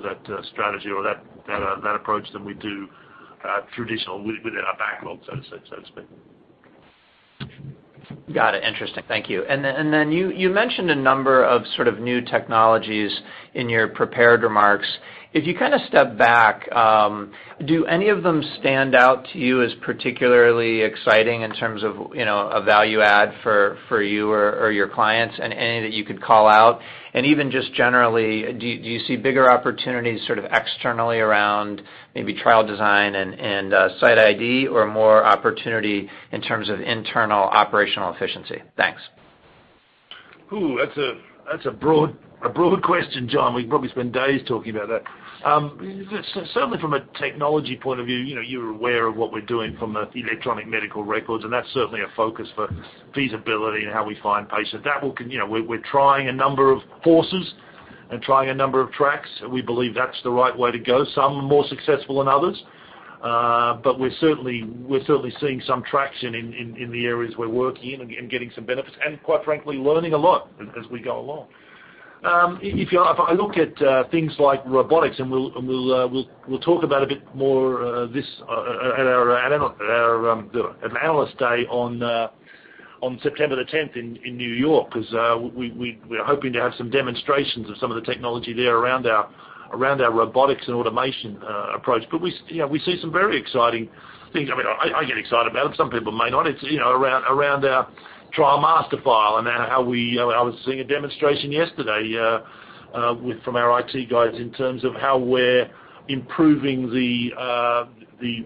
that strategy or that approach than we do traditional within our backlog, so to speak. Got it. Interesting. Thank you. You mentioned a number of sort of new technologies in your prepared remarks. If you step back, do any of them stand out to you as particularly exciting in terms of a value add for you or your clients and any that you could call out? Even just generally, do you see bigger opportunities sort of externally around maybe trial design and site ID or more opportunity in terms of internal operational efficiency? Thanks. Ooh, that's a broad question, John. We could probably spend days talking about that. Certainly from a technology point of view, you're aware of what we're doing from the electronic medical records, and that's certainly a focus for feasibility and how we find patients. We're trying a number of forces and trying a number of tracks. We believe that's the right way to go. Some are more successful than others. We're certainly seeing some traction in the areas we're working in and getting some benefits and, quite frankly, learning a lot as we go along. If I look at things like robotics, we'll talk about a bit more at our Analyst Day on September 10th in New York, we're hoping to have some demonstrations of some of the technology there around our robotics and automation approach. We see some very exciting things. I get excited about them. Some people may not. It's around our trial master file and how I was seeing a demonstration yesterday from our IT guys in terms of how we're improving the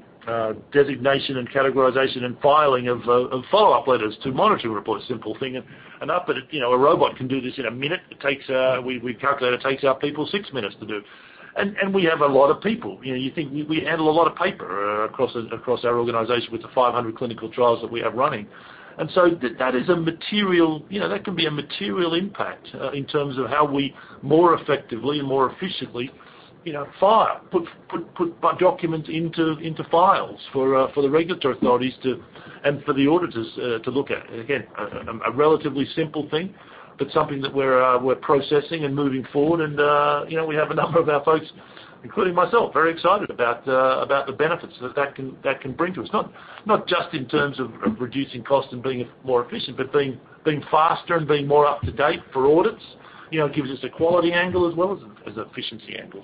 designation and categorization and filing of follow-up letters to monitor reports. Simple thing. A robot can do this in a minute. We calculate it takes our people six minutes to do. We have a lot of people. You think we handle a lot of paper across our organization with the 500 clinical trials that we have running. That can be a material impact in terms of how we more effectively and more efficiently file, put documents into files for the regulatory authorities and for the auditors to look at. Again, a relatively simple thing, something that we're processing and moving forward. We have a number of our folks, including myself, very excited about the benefits that can bring to us, not just in terms of reducing cost and being more efficient, but being faster and being more up to date for audits. It gives us a quality angle as well as an efficiency angle.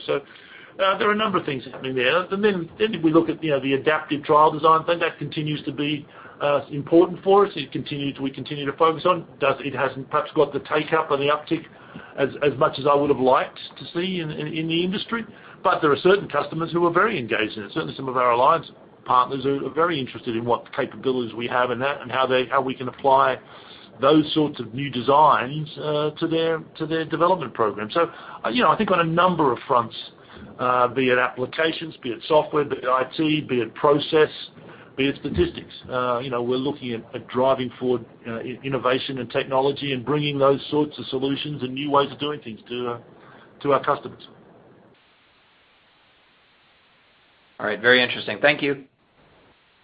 There are a number of things happening there. Then if we look at the adaptive trial design thing, that continues to be important for us. We continue to focus on. It hasn't perhaps got the take-up or the uptick as much as I would've liked to see in the industry. There are certain customers who are very engaged in it. Certainly, some of our alliance partners are very interested in what capabilities we have and how we can apply those sorts of new designs to their development program. I think on a number of fronts be it applications, be it software, be it IT, be it process, be it statistics, we're looking at driving forward innovation and technology and bringing those sorts of solutions and new ways of doing things to our customers. All right. Very interesting. Thank you.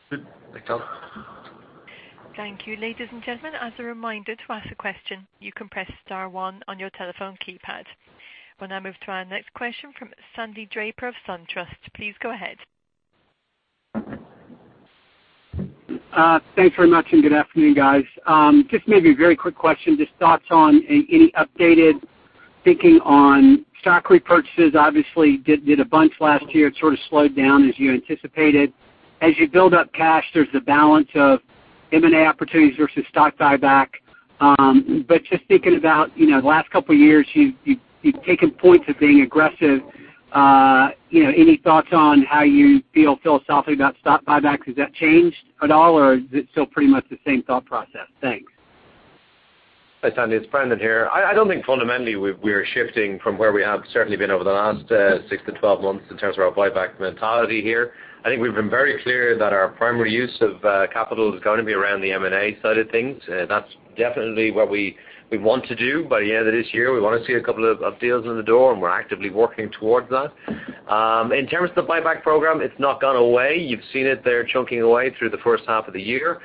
Good. Thanks, John. Thank you. Ladies and gentlemen, as a reminder, to ask a question, you can press star one on your telephone keypad. We'll now move to our next question from Sandy Draper of SunTrust. Please go ahead. Thanks very much, and good afternoon, guys. Just maybe a very quick question, just thoughts on any updated thinking on stock repurchases. Obviously, did a bunch last year. It sort of slowed down as you anticipated. As you build up cash, there's the balance of M&A opportunities versus stock buyback. Just thinking about the last couple of years, you've taken points of being aggressive. Any thoughts on how you feel philosophically about stock buybacks? Has that changed at all, or is it still pretty much the same thought process? Thanks. Hi, Sandy. It's Brendan here. I don't think fundamentally we're shifting from where we have certainly been over the last six to 12 months in terms of our buyback mentality here. I think we've been very clear that our primary use of capital is going to be around the M&A side of things. That's definitely what we want to do by the end of this year. We want to see a couple of deals in the door, we're actively working towards that. In terms of the buyback program, it's not gone away. You've seen it there chunking away through the first half of the year.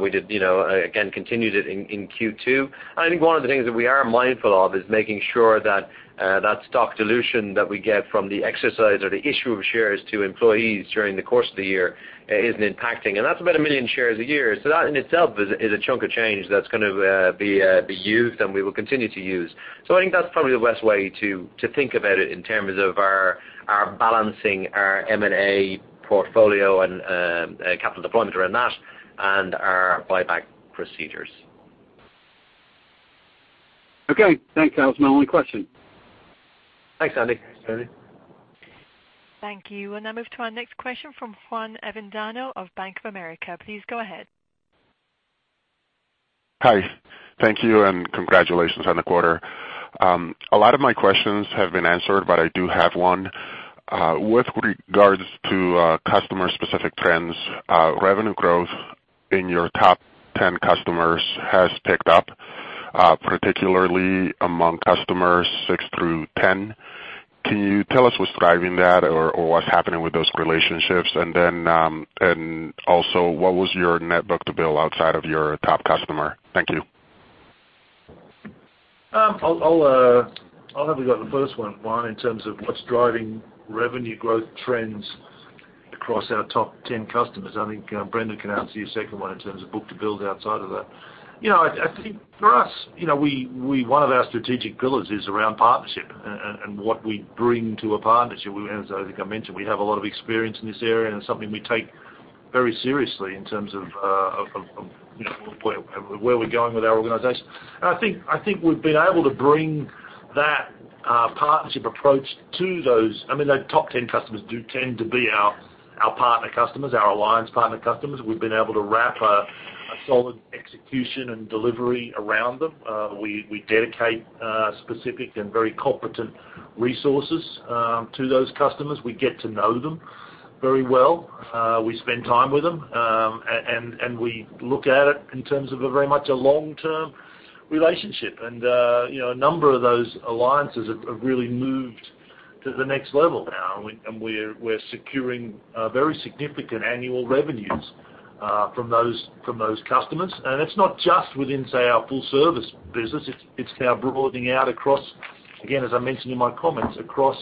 We did, again, continued it in Q2. I think one of the things that we are mindful of is making sure that that stock dilution that we get from the exercise or the issue of shares to employees during the course of the year isn't impacting. That's about 1 million shares a year. That in itself is a chunk of change that's going to be used and we will continue to use. I think that's probably the best way to think about it in terms of our balancing our M&A portfolio and capital deployment around that and our buyback procedures. Okay. Thanks. That was my only question. Thanks, Sandy. Thanks, Brendan. Thank you. We'll now move to our next question from Juan Avendano of Bank of America. Please go ahead. Hi. Thank you, and congratulations on the quarter. A lot of my questions have been answered, but I do have one. With regards to customer-specific trends, revenue growth in your top 10 customers has picked up, particularly among customers 6 through 10. Can you tell us what's driving that or what's happening with those relationships? What was your net book-to-bill outside of your top customer? Thank you. I'll have a go at the first one, Juan, in terms of what's driving revenue growth trends across our top 10 customers. I think Brendan can answer your second one in terms of book-to-bill outside of that. I think for us, one of our strategic pillars is around partnership and what we bring to a partnership. As I think I mentioned, we have a lot of experience in this area, and it's something we take very seriously in terms of where we're going with our organization. I think we've been able to bring that partnership approach to those top 10 customers do tend to be our partner customers, our alliance partner customers. We've been able to wrap a solid execution and delivery around them. We dedicate specific and very competent resources to those customers. We get to know them very well. We spend time with them. We look at it in terms of a very much a long-term relationship. A number of those alliances have really moved to the next level now, and we're securing very significant annual revenues from those customers. It's not just within, say, our full service business. It's now broadening out across, again, as I mentioned in my comments, across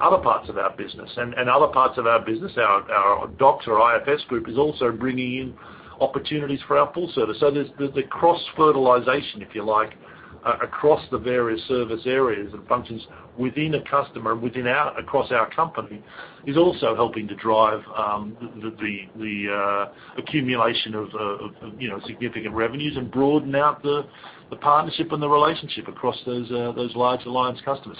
other parts of our business. Other parts of our business, our DOCS or IFS group, is also bringing in opportunities for our full service. There's the cross-fertilization, if you like, across the various service areas and functions within a customer and across our company is also helping to drive the accumulation of significant revenues and broaden out the partnership and the relationship across those large alliance customers.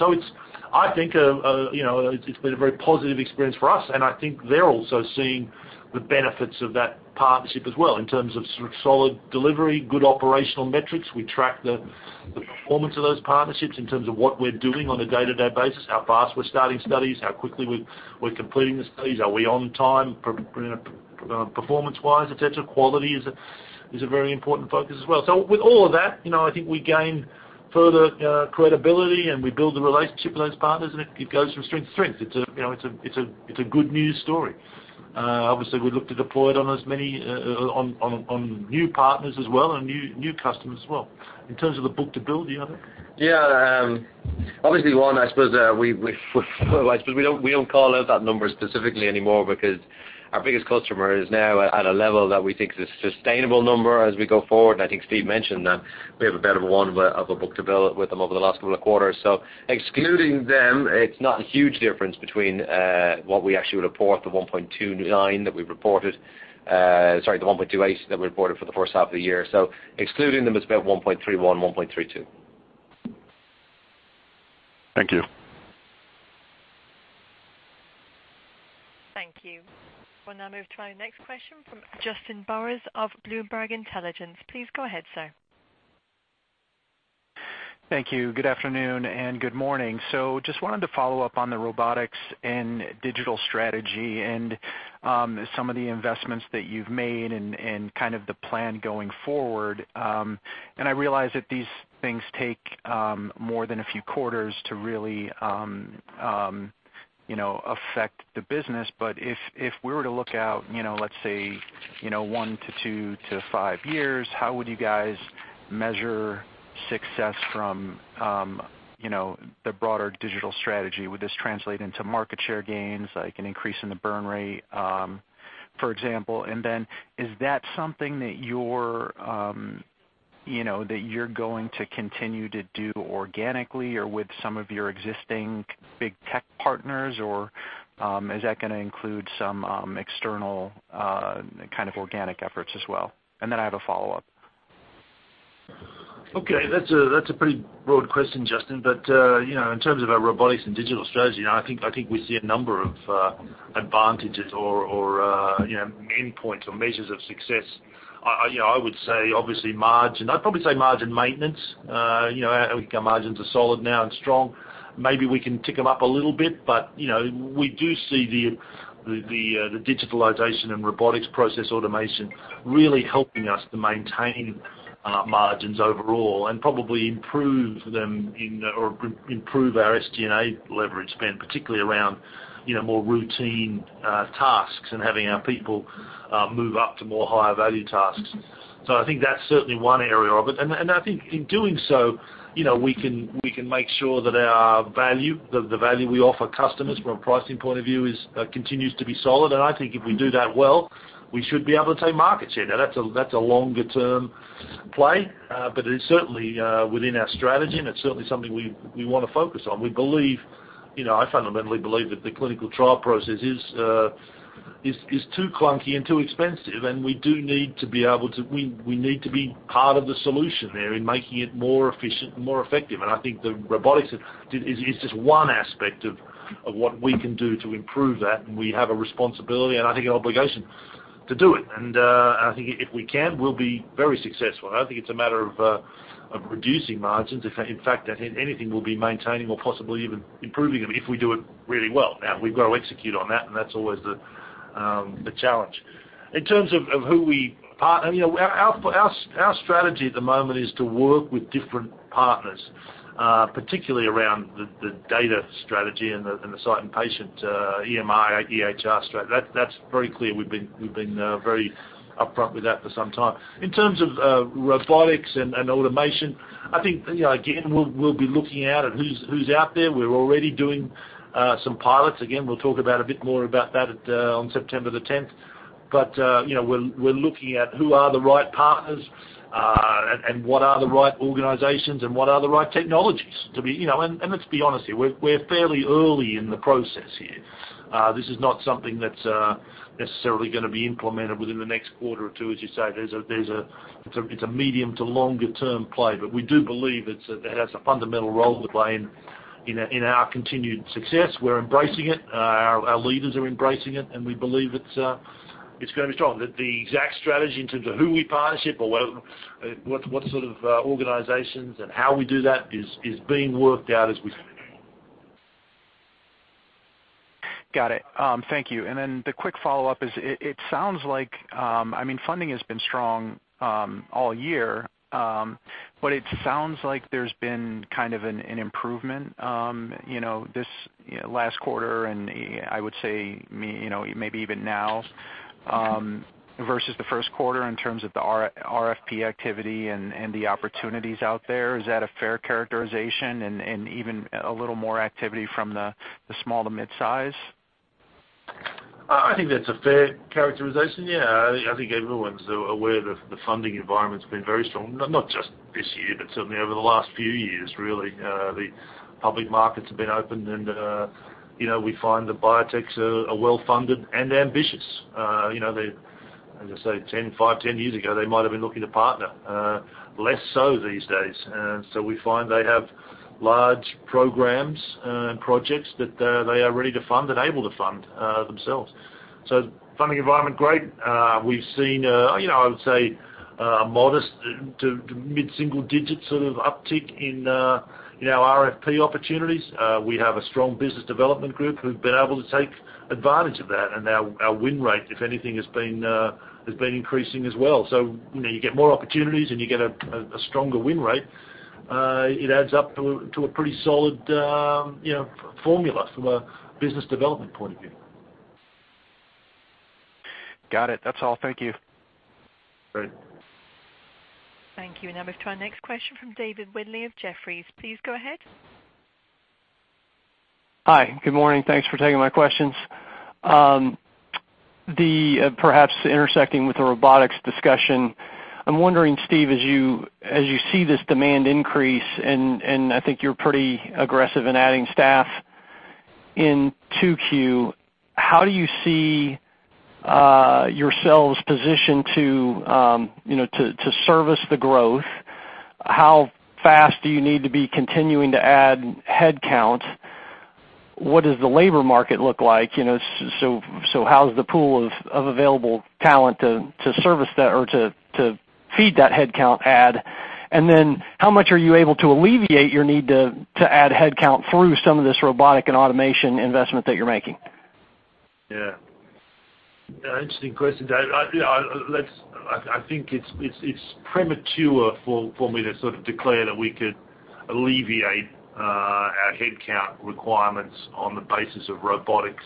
I think it's been a very positive experience for us, and I think they're also seeing the benefits of that partnership as well in terms of sort of solid delivery, good operational metrics. We track the performance of those partnerships in terms of what we're doing on a day-to-day basis, how fast we're starting studies, how quickly we're completing the studies. Are we on time performance-wise, et cetera? Quality is a very important focus as well. With all of that, I think we gain further credibility, and we build the relationship with those partners, and it goes from strength to strength. It's a good news story. Obviously, we look to deploy it on new partners as well and new customers as well. In terms of the book-to-bill, do you know that? Obviously, Juan Avendano, I suppose we don't call out that number specifically anymore because our biggest customer is now at a level that we think is a sustainable number as we go forward. I think Steve Cutler mentioned that we have a better one of a book-to-bill with them over the last couple of quarters. Excluding them, it's not a huge difference between what we actually report, the 1.29 that we reported. Sorry, the 1.28 that we reported for the first half of the year. Excluding them, it's about 1.31, 1.32. Thank you. Thank you. We'll now move to our next question from Justin Burris of Bloomberg Intelligence. Please go ahead, sir. Thank you. Good afternoon and good morning. Just wanted to follow up on the robotics and digital strategy and some of the investments that you've made and kind of the plan going forward. I realize that these things take more than a few quarters to really affect the business. But if we were to look out, let's say, one to two to five years, how would you guys measure success from the broader digital strategy? Would this translate into market share gains, like an increase in the burn rate, for example? Then is that something that you're going to continue to do organically or with some of your existing big tech partners, or is that going to include some external kind of organic efforts as well? Then I have a follow-up. Okay. That's a pretty broad question, Justin. In terms of our robotics and digital strategy, I think we see a number of advantages or endpoints or measures of success. I would say obviously margin. I'd probably say margin maintenance. Our margins are solid now and strong. Maybe we can tick them up a little bit. We do see the digitalization and robotics process automation really helping us to maintain margins overall and probably improve them or improve our SG&A leverage spend, particularly around more routine tasks and having our people move up to more higher value tasks. I think that's certainly one area of it. I think in doing so, we can make sure that our value, the value we offer customers from a pricing point of view, continues to be solid. I think if we do that well, we should be able to take market share. That's a longer-term play, but it is certainly within our strategy, and it's certainly something we want to focus on. I fundamentally believe that the clinical trial process is too clunky and too expensive, and we need to be part of the solution there in making it more efficient and more effective. I think the robotics is just one aspect of what we can do to improve that, and we have a responsibility, and I think an obligation to do it. I think if we can, we'll be very successful. I think it's a matter of reducing margins. In fact, if anything, we'll be maintaining or possibly even improving them if we do it really well. We've got to execute on that, and that's always the challenge. In terms of who we partner, our strategy at the moment is to work with different partners, particularly around the data strategy and the site and patient EMR, EHR strategy. That's very clear. We've been very upfront with that for some time. In terms of robotics and automation, I think, again, we'll be looking out at who's out there. We're already doing some pilots. Again, we'll talk a bit more about that on September the 10th. We're looking at who are the right partners and what are the right organizations and what are the right technologies. Let's be honest here, we're fairly early in the process here. This is not something that's necessarily going to be implemented within the next quarter or two, as you say. It's a medium to longer-term play. We do believe it has a fundamental role to play in our continued success. We're embracing it. Our leaders are embracing it, and we believe it's going to be strong. The exact strategy in terms of who we partnership or what sort of organizations and how we do that is being worked out as we speak. Got it. Thank you. Then the quick follow-up is, funding has been strong all year, but it sounds like there's been kind of an improvement this last quarter, and I would say, maybe even now, versus the first quarter in terms of the RFP activity and the opportunities out there. Is that a fair characterization and even a little more activity from the small to midsize? I think that's a fair characterization. Yeah, I think everyone's aware the funding environment's been very strong, not just this year, but certainly over the last few years, really. The public markets have been open, and we find the biotechs are well-funded and ambitious. As I say, five, 10 years ago, they might've been looking to partner. Less so these days. We find they have large programs and projects that they are ready to fund and able to fund themselves. Funding environment, great. We've seen, I would say, a modest to mid-single digits sort of uptick in our RFP opportunities. We have a strong business development group who've been able to take advantage of that, and our win rate, if anything, has been increasing as well. You get more opportunities, and you get a stronger win rate. It adds up to a pretty solid formula from a business development point of view. Got it. That's all. Thank you. Great. Thank you. Now we've to our next question from Dave Windley of Jefferies. Please go ahead. Hi. Good morning. Thanks for taking my questions. Perhaps intersecting with the robotics discussion, I'm wondering, Steve, as you see this demand increase, and I think you're pretty aggressive in adding staff in 2Q, how do you see yourselves positioned to service the growth? How fast do you need to be continuing to add headcount? What does the labor market look like? How's the pool of available talent to service that or to feed that headcount add? And then how much are you able to alleviate your need to add headcount through some of this robotic and automation investment that you're making? Interesting question, Dave. I think it's premature for me to sort of declare that we could alleviate our headcount requirements on the basis of robotics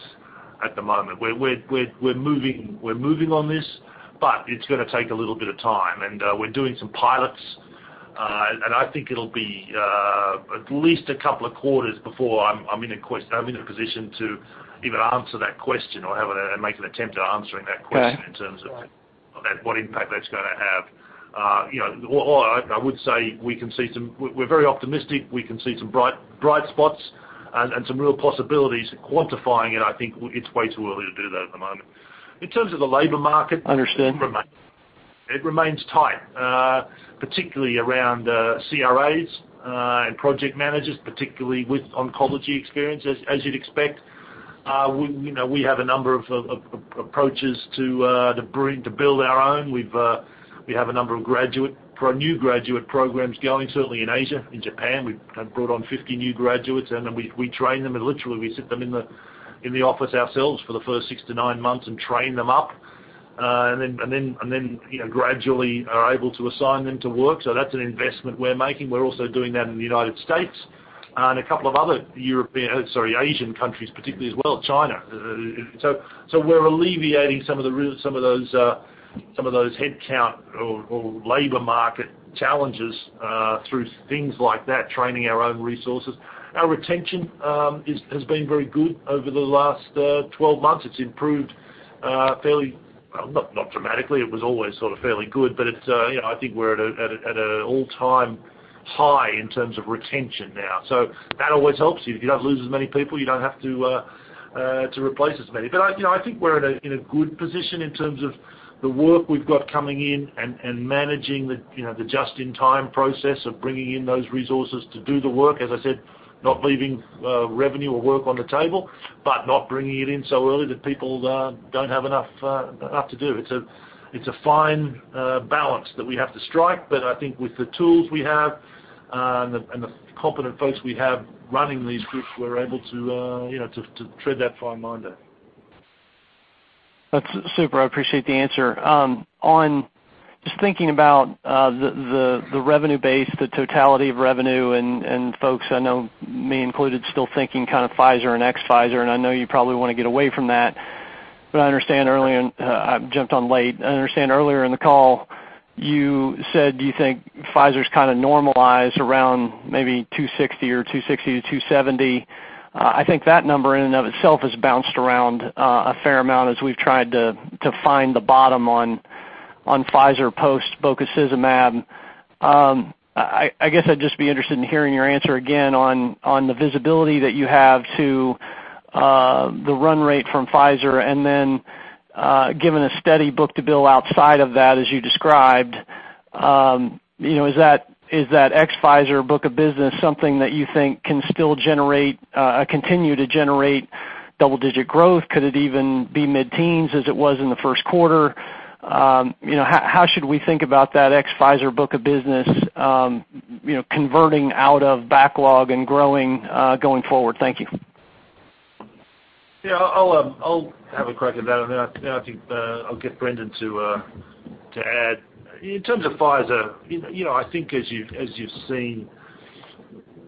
at the moment. We're moving on this, but it's going to take a little bit of time, and we're doing some pilots. I think it'll be at least a couple of quarters before I'm in a position to even answer that question or make an attempt at answering that question. Okay In terms of what impact that's going to have. All I would say, we're very optimistic. We can see some bright spots and some real possibilities. Quantifying it, I think it's way too early to do that at the moment. In terms of the labor market. Understand It remains tight, particularly around CRAs and project managers, particularly with oncology experience, as you'd expect. We have a number of approaches to build our own. We have a number of new graduate programs going, certainly in Asia. In Japan, we've brought on 50 new graduates, and then we train them, and literally we sit them in the office ourselves for the first six to nine months and train them up. Gradually are able to assign them to work. That's an investment we're making. We're also doing that in the U.S. and a couple of other Asian countries, particularly as well, China. We're alleviating some of those headcount or labor market challenges through things like that, training our own resources. Our retention has been very good over the last 12 months. It's improved fairly, not dramatically. It was always sort of fairly good, but I think we're at an all-time high in terms of retention now. That always helps you. If you don't lose as many people, you don't have to replace as many. I think we're in a good position in terms of the work we've got coming in and managing the just-in-time process of bringing in those resources to do the work. As I said, not leaving revenue or work on the table, but not bringing it in so early that people don't have enough to do. It's a fine balance that we have to strike, but I think with the tools we have and the competent folks we have running these groups, we're able to tread that fine line there. That's super. I appreciate the answer. Just thinking about the revenue base, the totality of revenue, and folks I know, me included, still thinking Pfizer and ex-Pfizer, and I know you probably want to get away from that. I understand earlier, and I jumped on late, I understand earlier in the call, you said you think Pfizer's normalized around maybe $260 or $260-$270. I think that number in and of itself has bounced around a fair amount as we've tried to find the bottom on Pfizer post-bococizumab. I guess I'd just be interested in hearing your answer again on the visibility that you have to the run rate from Pfizer and then given a steady book-to-bill outside of that, as you described, is that ex-Pfizer book of business something that you think can still continue to generate double-digit growth? Could it even be mid-teens as it was in the first quarter? How should we think about that ex-Pfizer book of business converting out of backlog and growing going forward? Thank you. I'll have a crack at that and then I think I'll get Brendan to add. In terms of Pfizer, I think as you've seen,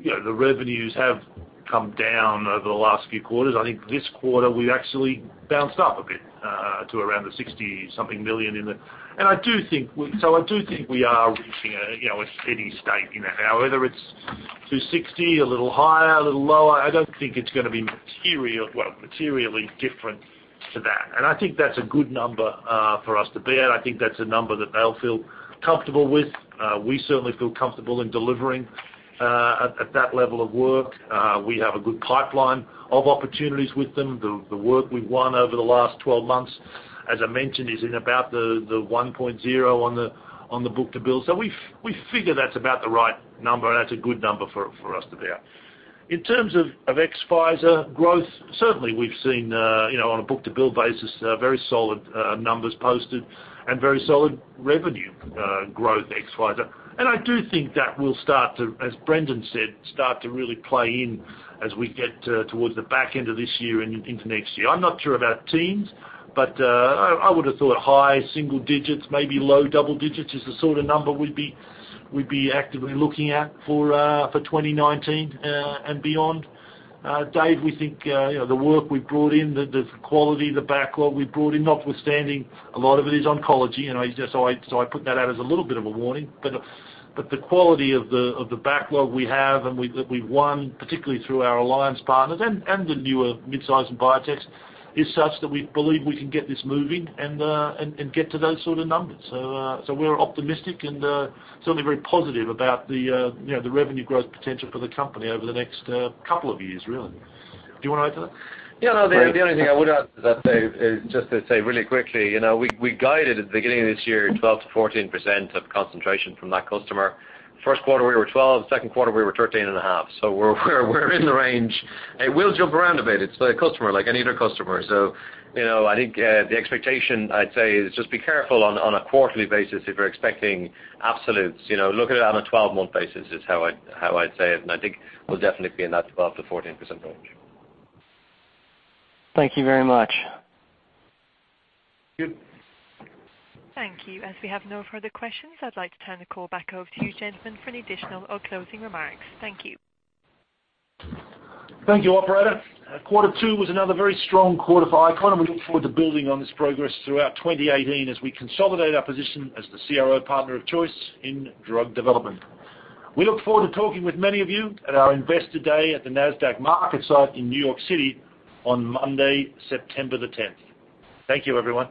the revenues have come down over the last few quarters. I think this quarter we actually bounced up a bit to around $60 million. I do think we are reaching a steady state now. Whether it's $260, a little higher, a little lower, I don't think it's going to be materially different to that. I think that's a good number for us to be at. I think that's a number that they'll feel comfortable with. We certainly feel comfortable in delivering at that level of work. We have a good pipeline of opportunities with them. The work we've won over the last 12 months, as I mentioned, is in about the 1.0 on the book-to-bill. We figure that's about the right number, and that's a good number for us to be at. In terms of ex-Pfizer growth, certainly we've seen, on a book-to-bill basis, very solid numbers posted and very solid revenue growth ex-Pfizer. I do think that will start to, as Brendan said, start to really play in as we get towards the back end of this year and into next year. I'm not sure about teens, but I would have thought high single digits, maybe low double digits is the sort of number we'd be actively looking at for 2019 and beyond. Dave, we think the work we've brought in, the quality, the backlog we've brought in, notwithstanding a lot of it is oncology, I put that out as a little bit of a warning. The quality of the backlog we have and that we've won, particularly through our alliance partners and the newer mid-size and biotechs, is such that we believe we can get this moving and get to those sort of numbers. We're optimistic and certainly very positive about the revenue growth potential for the company over the next couple of years, really. Do you want to add to that? The only thing I would add to that, Dave, is just to say really quickly, we guided at the beginning of this year 12%-14% of concentration from that customer. First quarter, we were 12%. Second quarter, we were 13.5%. We're in the range. It will jump around a bit. It's their customer like any other customer. I think the expectation I'd say is just be careful on a quarterly basis if you're expecting absolutes. Look at it on a 12-month basis is how I'd say it, and I think we'll definitely be in that 12%-14% range. Thank you very much. Thank you. Thank you. As we have no further questions, I'd like to turn the call back over to you gentlemen for any additional or closing remarks. Thank you. Thank you, operator. Quarter two was another very strong quarter for ICON, and we look forward to building on this progress throughout 2018 as we consolidate our position as the CRO partner of choice in drug development. We look forward to talking with many of you at our Investor Day at the Nasdaq Market Site in New York City on Monday, September the 10th. Thank you, everyone.